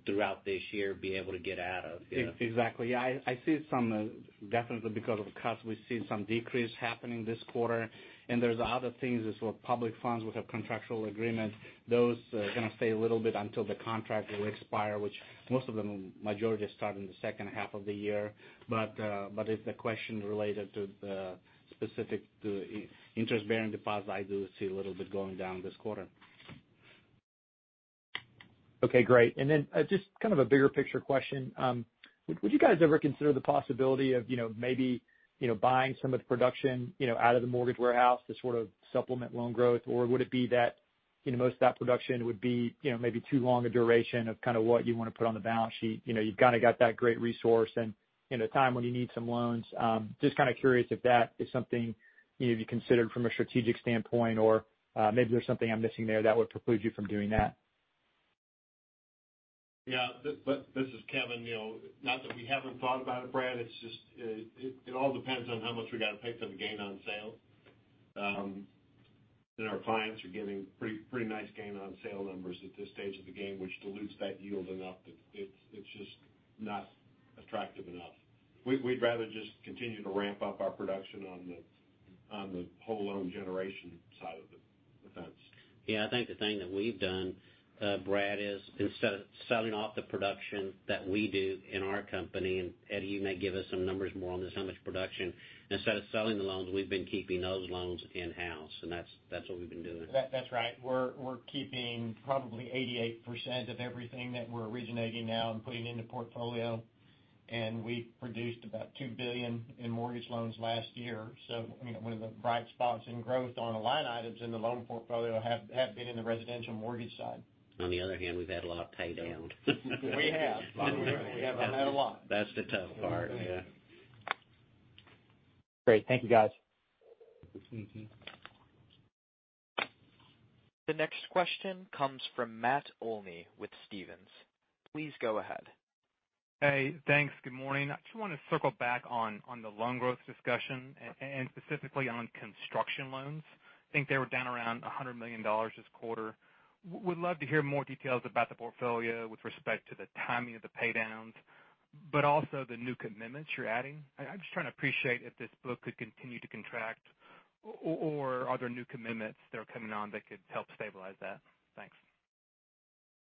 throughout this year, be able to get out of. Exactly. I see some definitely because of cuts, we've seen some decrease happening this quarter. There's other things as well, public funds with a contractual agreement. Those are going to stay a little bit until the contract will expire, which most of them, majority start in the second half of the year. If the question related to the specific interest-bearing deposit, I do see a little bit going down this quarter. Okay, great. Just kind of a bigger picture question. Would you guys ever consider the possibility of maybe buying some of the production out of the mortgage warehouse to sort of supplement loan growth? Would it be that most of that production would be maybe too long a duration of kind of what you want to put on the balance sheet? You've kind of got that great resource and in a time when you need some loans, just kind of curious if that is something you'd considered from a strategic standpoint, or maybe there's something I'm missing there that would preclude you from doing that. Yeah. This is Kevin Hanigan. Not that we haven't thought about it, Brad, it all depends on how much we got to pay for the gain on sale. Our clients are getting pretty nice gain on sale numbers at this stage of the game, which dilutes that yield enough that it's just not attractive enough. We'd rather just continue to ramp up our production on the whole loan generation side of the fence. Yeah, I think the thing that we've done, Brad, is instead of selling off the production that we do in our company, and Eddie, you may give us some numbers more on this, how much production, instead of selling the loans, we've been keeping those loans in-house, and that's what we've been doing. That's right. We're keeping probably 88% of everything that we're originating now and putting into portfolio. We produced about $2 billion in mortgage loans last year. One of the bright spots in growth on the line items in the loan portfolio have been in the residential mortgage side. On the other hand, we've had a lot of pay down. We have. We have had a lot. That's the tough part, yeah. Great. Thank you, guys. The next question comes from Matt Olney with Stephens. Please go ahead. Hey, thanks. Good morning. I just want to circle back on the loan growth discussion, and specifically on construction loans. I think they were down around $100 million this quarter. Would love to hear more details about the portfolio with respect to the timing of the pay downs, but also the new commitments you're adding. I'm just trying to appreciate if this book could continue to contract or are there new commitments that are coming on that could help stabilize that? Thanks.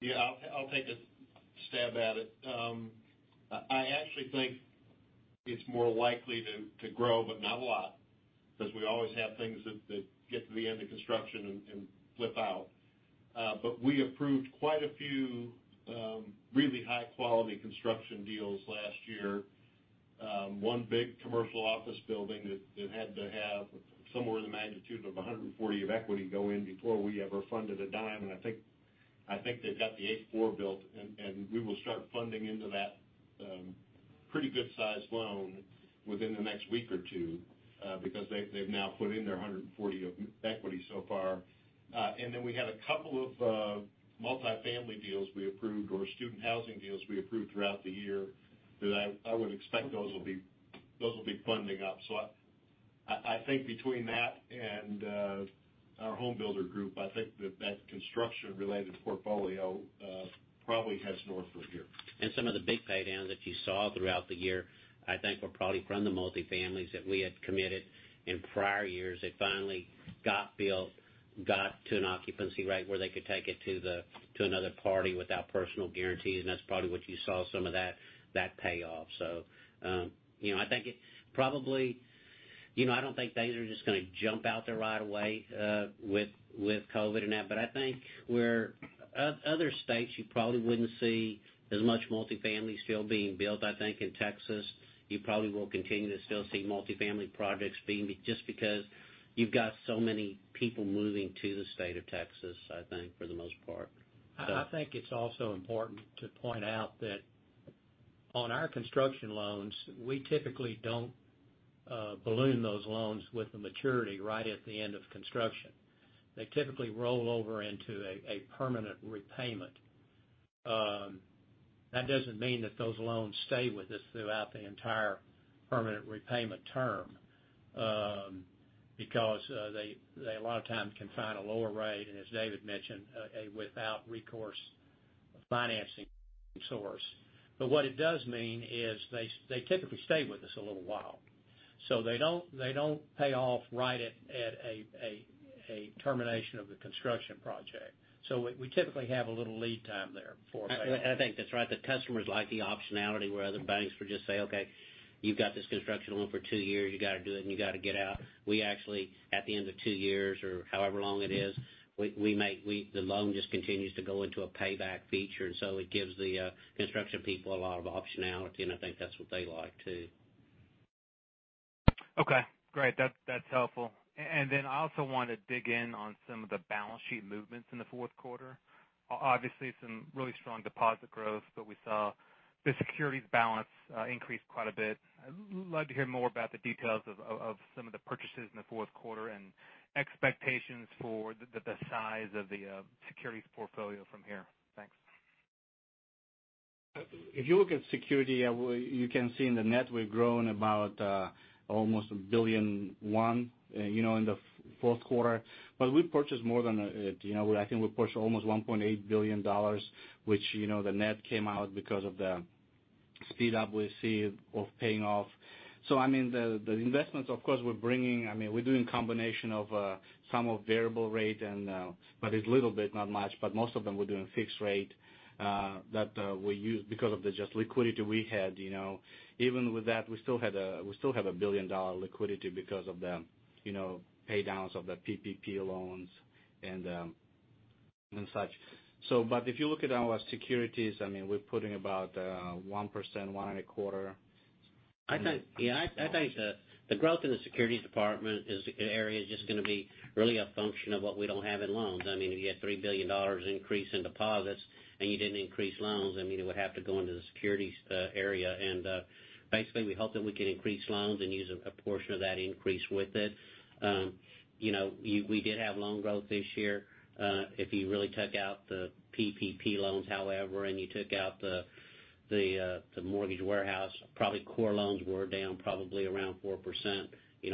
Yeah, I'll take a stab at it. I actually think it's more likely to grow, but not a lot, because we always have things that get to the end of construction and flip out. We approved quite a few really high-quality construction deals last year. One big commercial office building that had to have somewhere in the magnitude of $140 of equity go in before we ever funded $0.10, and I think they've got the H4 built, and we will start funding into that pretty good-sized loan within the next week or two, because they've now put in their $140 of equity so far. We had a couple of multi-family deals we approved or student housing deals we approved throughout the year that I would expect those will be funding up. I think between that and our home builder group, I think that construction-related portfolio probably heads northward here. Some of the big pay downs that you saw throughout the year, I think, were probably from the multi-family that we had committed in prior years. They finally got built, got to an occupancy rate where they could take it to another party without personal guarantees, and that's probably what you saw some of that pay off. I don't think things are just going to jump out there right away with COVID and that, but I think where other states you probably wouldn't see as much multi-family still being built, I think in Texas, you probably will continue to still see multi-family projects being built just because you've got so many people moving to the state of Texas, I think, for the most part. I think it's also important to point out that on our construction loans, we typically don't balloon those loans with the maturity right at the end of construction. They typically roll over into a permanent repayment. That doesn't mean that those loans stay with us throughout the entire permanent repayment term, because they, a lot of times, can find a lower rate, and as David mentioned, a without recourse financing source. It does mean is they typically stay with us a little while. They don't pay off right at a termination of the construction project. We typically have a little lead time there for payback. I think that's right. The customers like the optionality where other banks would just say, Okay, you've got this construction loan for two years. You got to do it, and you got to get out. We actually, at the end of two years or however long it is, the loan just continues to go into a payback feature. It gives the construction people a lot of optionality. I think that's what they like too. Okay. Great. That's helpful. I also want to dig in on some of the balance sheet movements in the fourth quarter. Obviously, some really strong deposit growth, but we saw the securities balance increase quite a bit. I'd love to hear more about the details of some of the purchases in the fourth quarter and expectations for the size of the securities portfolio from here. Thanks. If you look at securities, you can see in the net, we've grown about almost $1.1 billion in the fourth quarter. We purchased more than it. I think we purchased almost $1.8 billion, which the net came out because of the speed up we see of paying off. I mean, the investments, of course, we're doing combination of some of variable rate, but it's little bit, not much. Most of them we're doing fixed rate that we use because of the just liquidity we had. Even with that, we still have a billion-dollar liquidity because of the pay downs of the PPP loans and such. If you look at our securities, we're putting about 1%, 1.25%. Yeah, I think the growth in the securities department area is just going to be really a function of what we don't have in loans. If you had a $3 billion increase in deposits and you didn't increase loans, it would have to go into the securities area, and basically, we hope that we can increase loans and use a portion of that increase with it. We did have loan growth this year. If you really took out the PPP loans, however, and you took out the mortgage warehouse, probably core loans were down probably around 4%.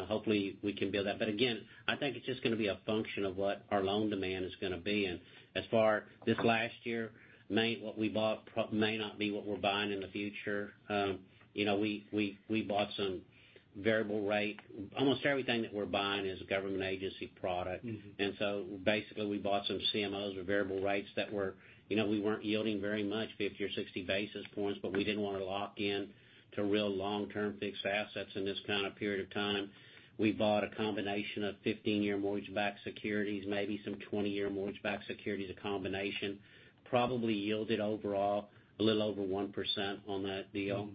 Hopefully, we can build that. Again, I think it's just going to be a function of what our loan demand is going to be. As far this last year, what we bought may not be what we're buying in the future. We bought some variable rate. Almost everything that we're buying is a government agency product. Basically, we bought some CMOs or variable rates that we weren't yielding very much, 50 or 60 basis points, but we didn't want to lock in to real long-term fixed assets in this kind of period of time. We bought a combination of 15-year mortgage-backed securities, maybe some 20-year mortgage-backed securities, a combination. Probably yielded overall a little over 1% on that deal.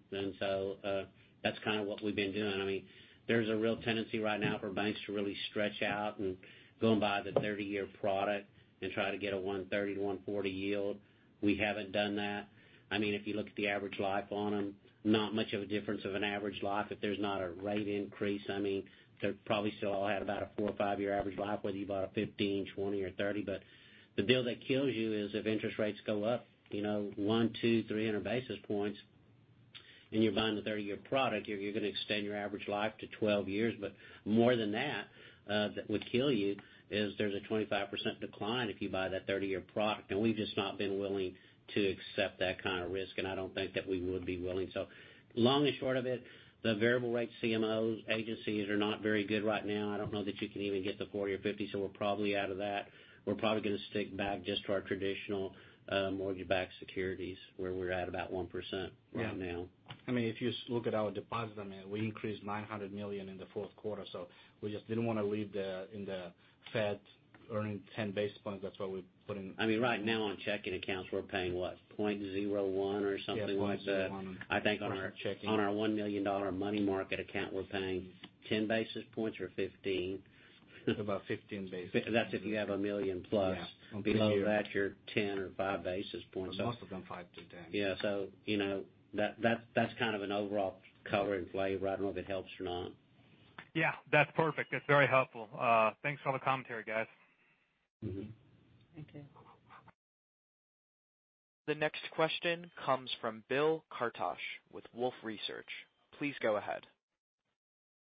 That's kind of what we've been doing. There's a real tendency right now for banks to really stretch out and go and buy the 30-year product and try to get a 130-140 yield. We haven't done that. If you look at the average life on them, not much of a difference of an average life. If there's not a rate increase, they probably still all have about a four or five-year average life, whether you bought a 15, 20 or 30. The deal that kills you is if interest rates go up one, two, 300 basis points and you're buying the 30-year product, you're going to extend your average life to 12 years. More than that would kill you is there's a 25% decline if you buy that 30-year product. We've just not been willing to accept that kind of risk. I don't think that we would be willing. Long and short of it, the variable rate CMOs agencies are not very good right now. I don't know that you can even get the 40 or 50, so we're probably out of that. We're probably going to stick back just to our traditional mortgage-backed securities, where we're at about 1% right now. Yeah. If you look at our deposits, we increased $900 million in the fourth quarter. We just didn't want to leave in the Fed earning 10 basis points. Right now on checking accounts, we're paying, what, 0.01% or something like that. Yes, 0.01% on our checking. I think on our $1 million money market account, we're paying 10 basis points or 15 basis points. It's about 15 basis points. That's if you have $1 million+. Yeah. Below that, you're 10 or five basis points. Most of them 5-10 basis points. Yeah. That's kind of an overall color and flavor. I don't know if it helps or not. Yeah. That's perfect. That's very helpful. Thanks for all the commentary, guys. Thank you. The next question comes from Bill Carcache with Wolfe Research. Please go ahead.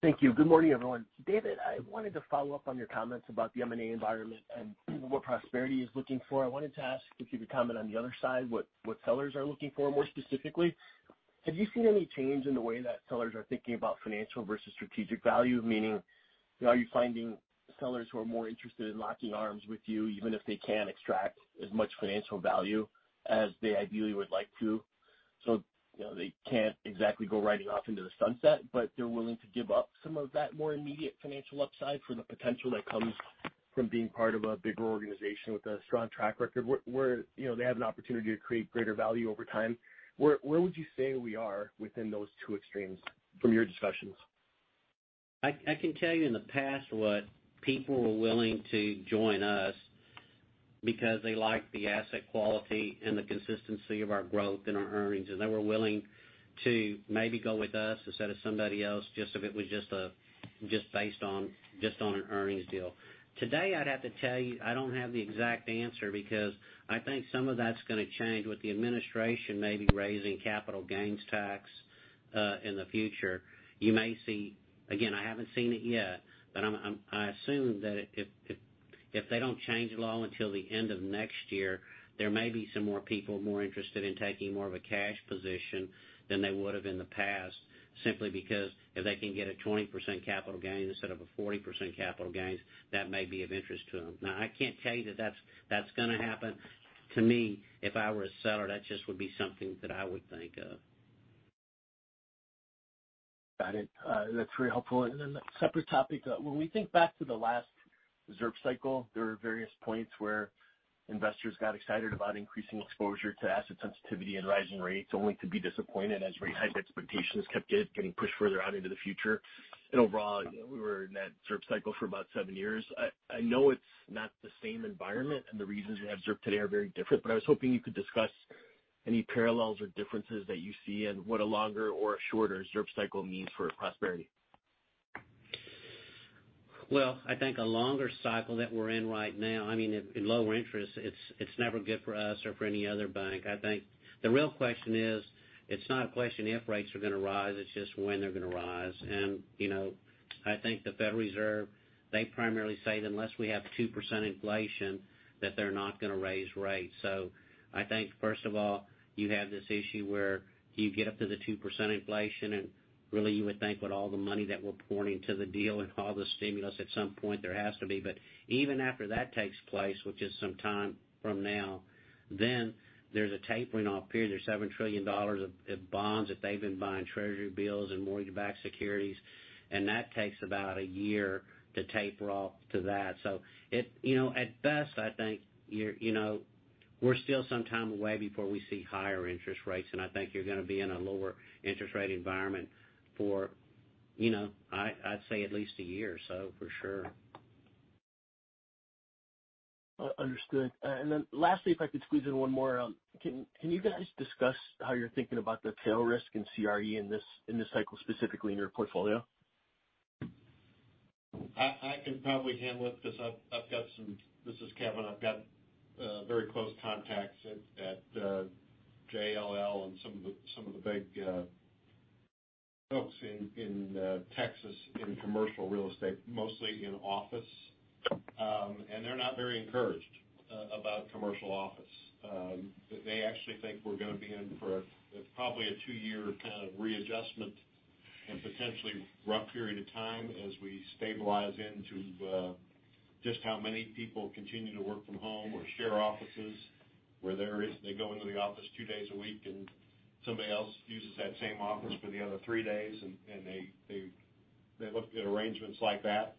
Thank you. Good morning, everyone. David, I wanted to follow-up on your comments about the M&A environment and what Prosperity is looking for. I wanted to ask if you could comment on the other side, what sellers are looking for more specifically. Have you seen any change in the way that sellers are thinking about financial versus strategic value? Meaning, are you finding sellers who are more interested in locking arms with you, even if they can't extract as much financial value as they ideally would like to? They can't exactly go riding off into the sunset, but they're willing to give up some of that more immediate financial upside for the potential that comes from being part of a bigger organization with a strong track record where they have an opportunity to create greater value over time. Where would you say we are within those two extremes from your discussions? I can tell you in the past, what people were willing to join us because they liked the asset quality and the consistency of our growth and our earnings, and they were willing to maybe go with us instead of somebody else, just if it was just based on an earnings deal. Today, I'd have to tell you, I don't have the exact answer because I think some of that's going to change with the administration maybe raising capital gains tax, in the future. You may see, again, I haven't seen it yet, but I assume that if they don't change the law until the end of next year, there may be some more people more interested in taking more of a cash position than they would have in the past, simply because if they can get a 20% capital gain instead of a 40% capital gains, that may be of interest to them. I can't tell you that that's going to happen. To me, if I were a seller, that just would be something that I would think of. Got it. That's very helpful. Then a separate topic, though. When we think back to the last ZIRP cycle, there were various points where investors got excited about increasing exposure to asset sensitivity and rising rates, only to be disappointed as rate hike expectations kept getting pushed further out into the future. Overall, we were in that ZIRP cycle for about seven years. I know it's not the same environment and the reasons we have ZIRP today are very different, but I was hoping you could discuss any parallels or differences that you see and what a longer or a shorter ZIRP cycle means for Prosperity. Well, I think a longer cycle that we're in right now, in lower interest, it's never good for us or for any other bank. I think the real question is, it's not a question if rates are going to rise, it's just when they're going to rise. I think the Federal Reserve, they primarily say that unless we have 2% inflation, that they're not going to raise rates. I think, first of all, you have this issue where you get up to the 2% inflation, and really you would think with all the money that we're pouring into the deal and all the stimulus, at some point, there has to be. Even after that takes place, which is some time from now, then there's a tapering off period. There's $7 trillion of bonds that they've been buying Treasury bills and mortgage-backed securities. That takes about a year to taper off to that. At best, I think we're still some time away before we see higher interest rates. I think you're going to be in a lower interest rate environment for I'd say at least a year or so, for sure. Understood. Lastly, if I could squeeze in one more. Can you guys discuss how you're thinking about the tail risk in CRE in this cycle, specifically in your portfolio? I can probably handle it because I've got some. This is Kevin. I've got very close contacts at JLL and some of the big folks in Texas in commercial real estate, mostly in office. They're not very encouraged about commercial office. They actually think we're going to be in for probably a 2-year kind of readjustment and potentially rough period of time as we stabilize into just how many people continue to work from home or share offices, where they go into the office two days a week and somebody else uses that same office for the other three days, and they look at arrangements like that.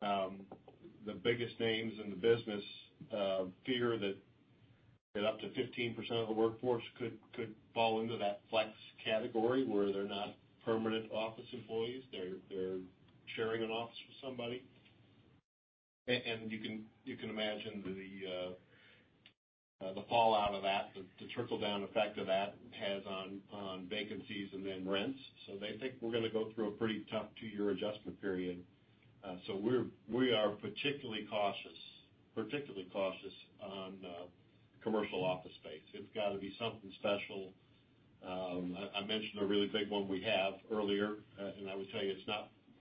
The biggest names in the business fear that up to 15% of the workforce could fall into that flex category, where they're not permanent office employees, they're sharing an office with somebody. You can imagine the fallout of that, the trickle-down effect that has on vacancies and then rents. They think we're going to go through a pretty tough two-year adjustment period. We are particularly cautious on commercial office space. It's got to be something special. I mentioned a really big one we have earlier, and I would tell you,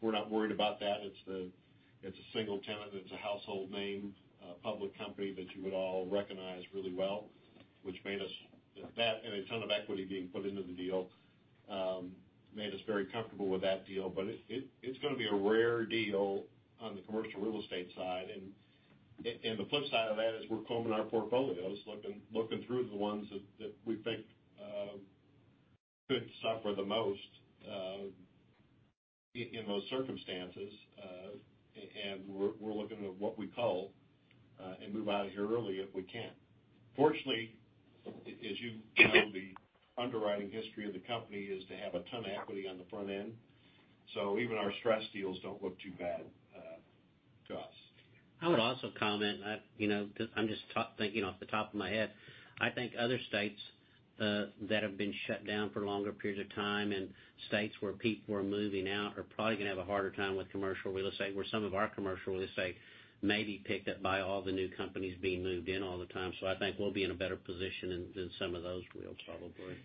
we're not worried about that. It's a single tenant. It's a household name, a public company that you would all recognize really well. That, and a ton of equity being put into the deal, made us very comfortable with that deal. It's going to be a rare deal on the commercial real estate side. The flip side of that is we're combing our portfolios, looking through the ones that we think could suffer the most in those circumstances. We're looking to what we call move out of here early if we can. Fortunately, as you know, the underwriting history of the company is to have a ton of equity on the front end. Even our stress deals don't look too bad to us. I would also comment, I'm just thinking off the top of my head. I think other states that have been shut down for longer periods of time and states where people are moving out are probably going to have a harder time with commercial real estate, where some of our commercial real estate may be picked up by all the new companies being moved in all the time. I think we'll be in a better position than some of those will probably.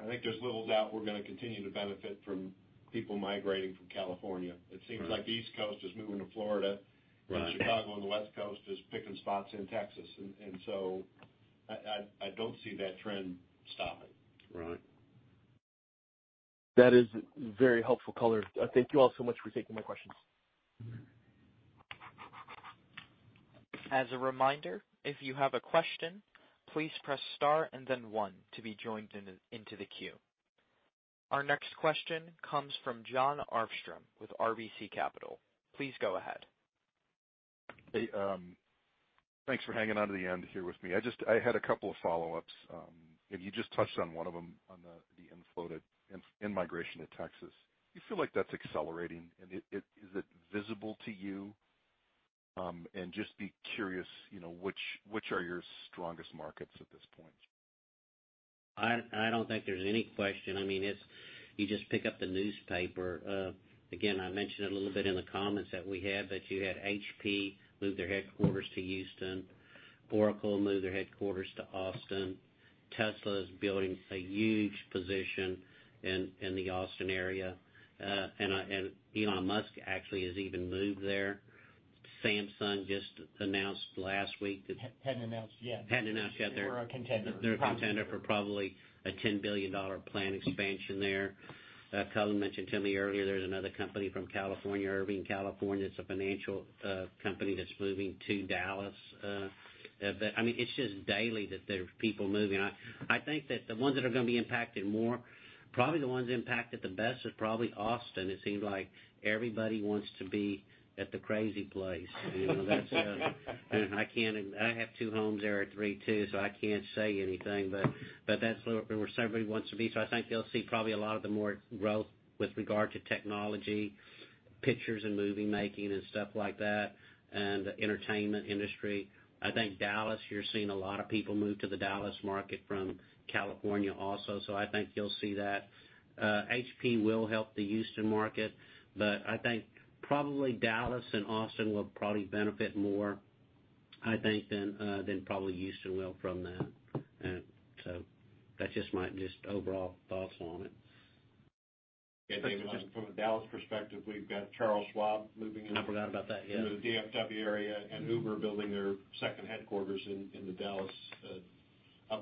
I think there's little doubt we're going to continue to benefit from people migrating from California. It seems like the East Coast is moving to Florida. Right. Chicago on the West Coast is picking spots in Texas. I don't see that trend stopping. Right. That is very helpful color. Thank you all so much for taking my questions. As a reminder, if you have a question, please press star and then one to be joined into the queue. Our next question comes from Jon Arfstrom with RBC Capital. Please go ahead. Hey, thanks for hanging on to the end here with me. I had a couple of follow-ups. You just touched on one of them, on the in-migration to Texas. Do you feel like that's accelerating, and is it visible to you? Just be curious, which are your strongest markets at this point? I don't think there's any question. You just pick up the newspaper. Again, I mentioned it a little bit in the comments that we had, that you had HPE move their headquarters to Houston. Oracle moved their headquarters to Austin. Tesla is building a huge position in the Austin area. Elon Musk actually has even moved there. Hadn't announced yet. Hadn't announced yet. They're a contender. They're a contender for probably a $10 billion plant expansion there. Cullen mentioned to me earlier, there's another company from California, Irvine, California. It's a financial company that's moving to Dallas. It's just daily that there's people moving. I think that the ones that are going to be impacted more, probably the ones impacted the best is probably Austin. It seems like everybody wants to be at the crazy place. I have two homes there, or three, so I can't say anything, but that's where everybody wants to be. I think you'll see probably a lot of the more growth with regard to technology, pictures and movie making and stuff like that, and the entertainment industry. I think Dallas, you're seeing a lot of people move to the Dallas market from California also. I think you'll see that. HPE will help the Houston market. I think probably Dallas and Austin will probably benefit more, I think, than probably Houston will from that. That's just my overall thoughts on it. From a Dallas perspective, we've got Charles Schwab moving in- No doubt about that, yeah. into the DFW area and Uber building their second headquarters in the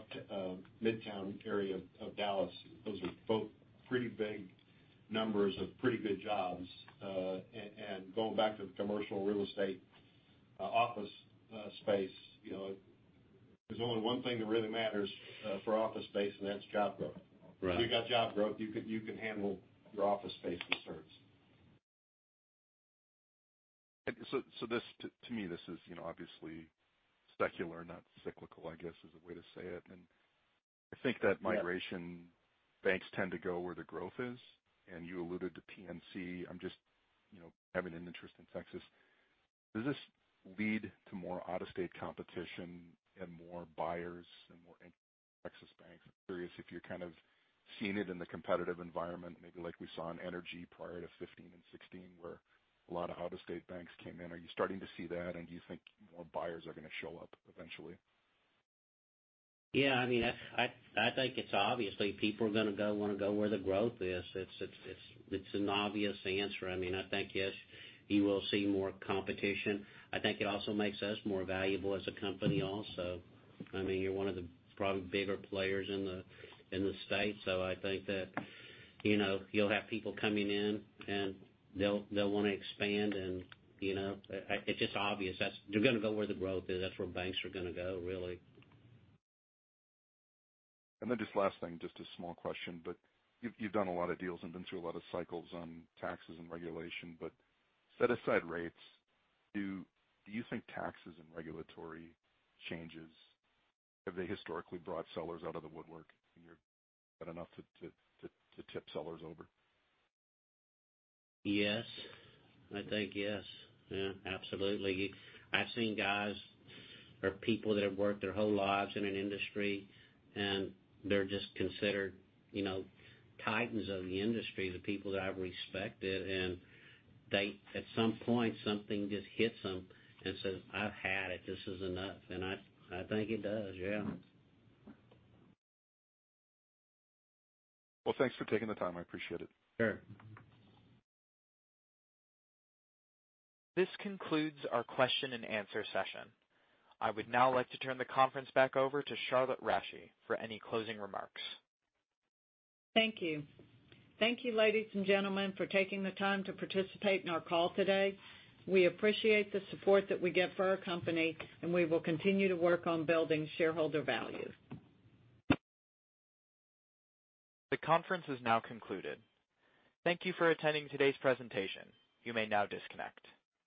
Midtown area of Dallas. Those are both pretty big numbers of pretty good jobs. Going back to the commercial real estate office space, there's only one thing that really matters for office space, and that's job growth. Right. If you've got job growth, you can handle your office space concerns. To me, this is obviously secular, not cyclical, I guess is the way to say it. I think that migration, banks tend to go where the growth is. You alluded to PNC, I'm just having an interest in Texas. Does this lead to more out-of-state competition and more buyers and more Texas banks? I'm curious if you're kind of seeing it in the competitive environment, maybe like we saw in energy prior to 2015 and 2016, where a lot of out-of-state banks came in. Are you starting to see that, and do you think more buyers are going to show up eventually? Yeah, I think it's obviously people are going to want to go where the growth is. It's an obvious answer. I think, yes, you will see more competition. I think it also makes us more valuable as a company also. You're one of the probably bigger players in the state, so I think that you'll have people coming in, and they'll want to expand, and it's just obvious. They're going to go where the growth is. That's where banks are going to go, really. Just last thing, just a small question, but you've done a lot of deals and been through a lot of cycles on taxes and regulation. Set aside rates, do you think taxes and regulatory changes, have they historically brought sellers out of the woodwork in your and enough to tip sellers over? Yes. I think yes. Yeah, absolutely. I've seen guys or people that have worked their whole lives in an industry, and they're just considered titans of the industry, the people that I've respected, and at some point, something just hits them and says, I've had it. This is enough. I think it does, yeah. Well, thanks for taking the time. I appreciate it. Sure. This concludes our question and answer session. I would now like to turn the conference back over to Charlotte Rasche for any closing remarks. Thank you. Thank you, ladies and gentlemen, for taking the time to participate in our call today. We appreciate the support that we get for our company. We will continue to work on building shareholder value. The conference is now concluded. Thank you for attending today's presentation. You may now disconnect.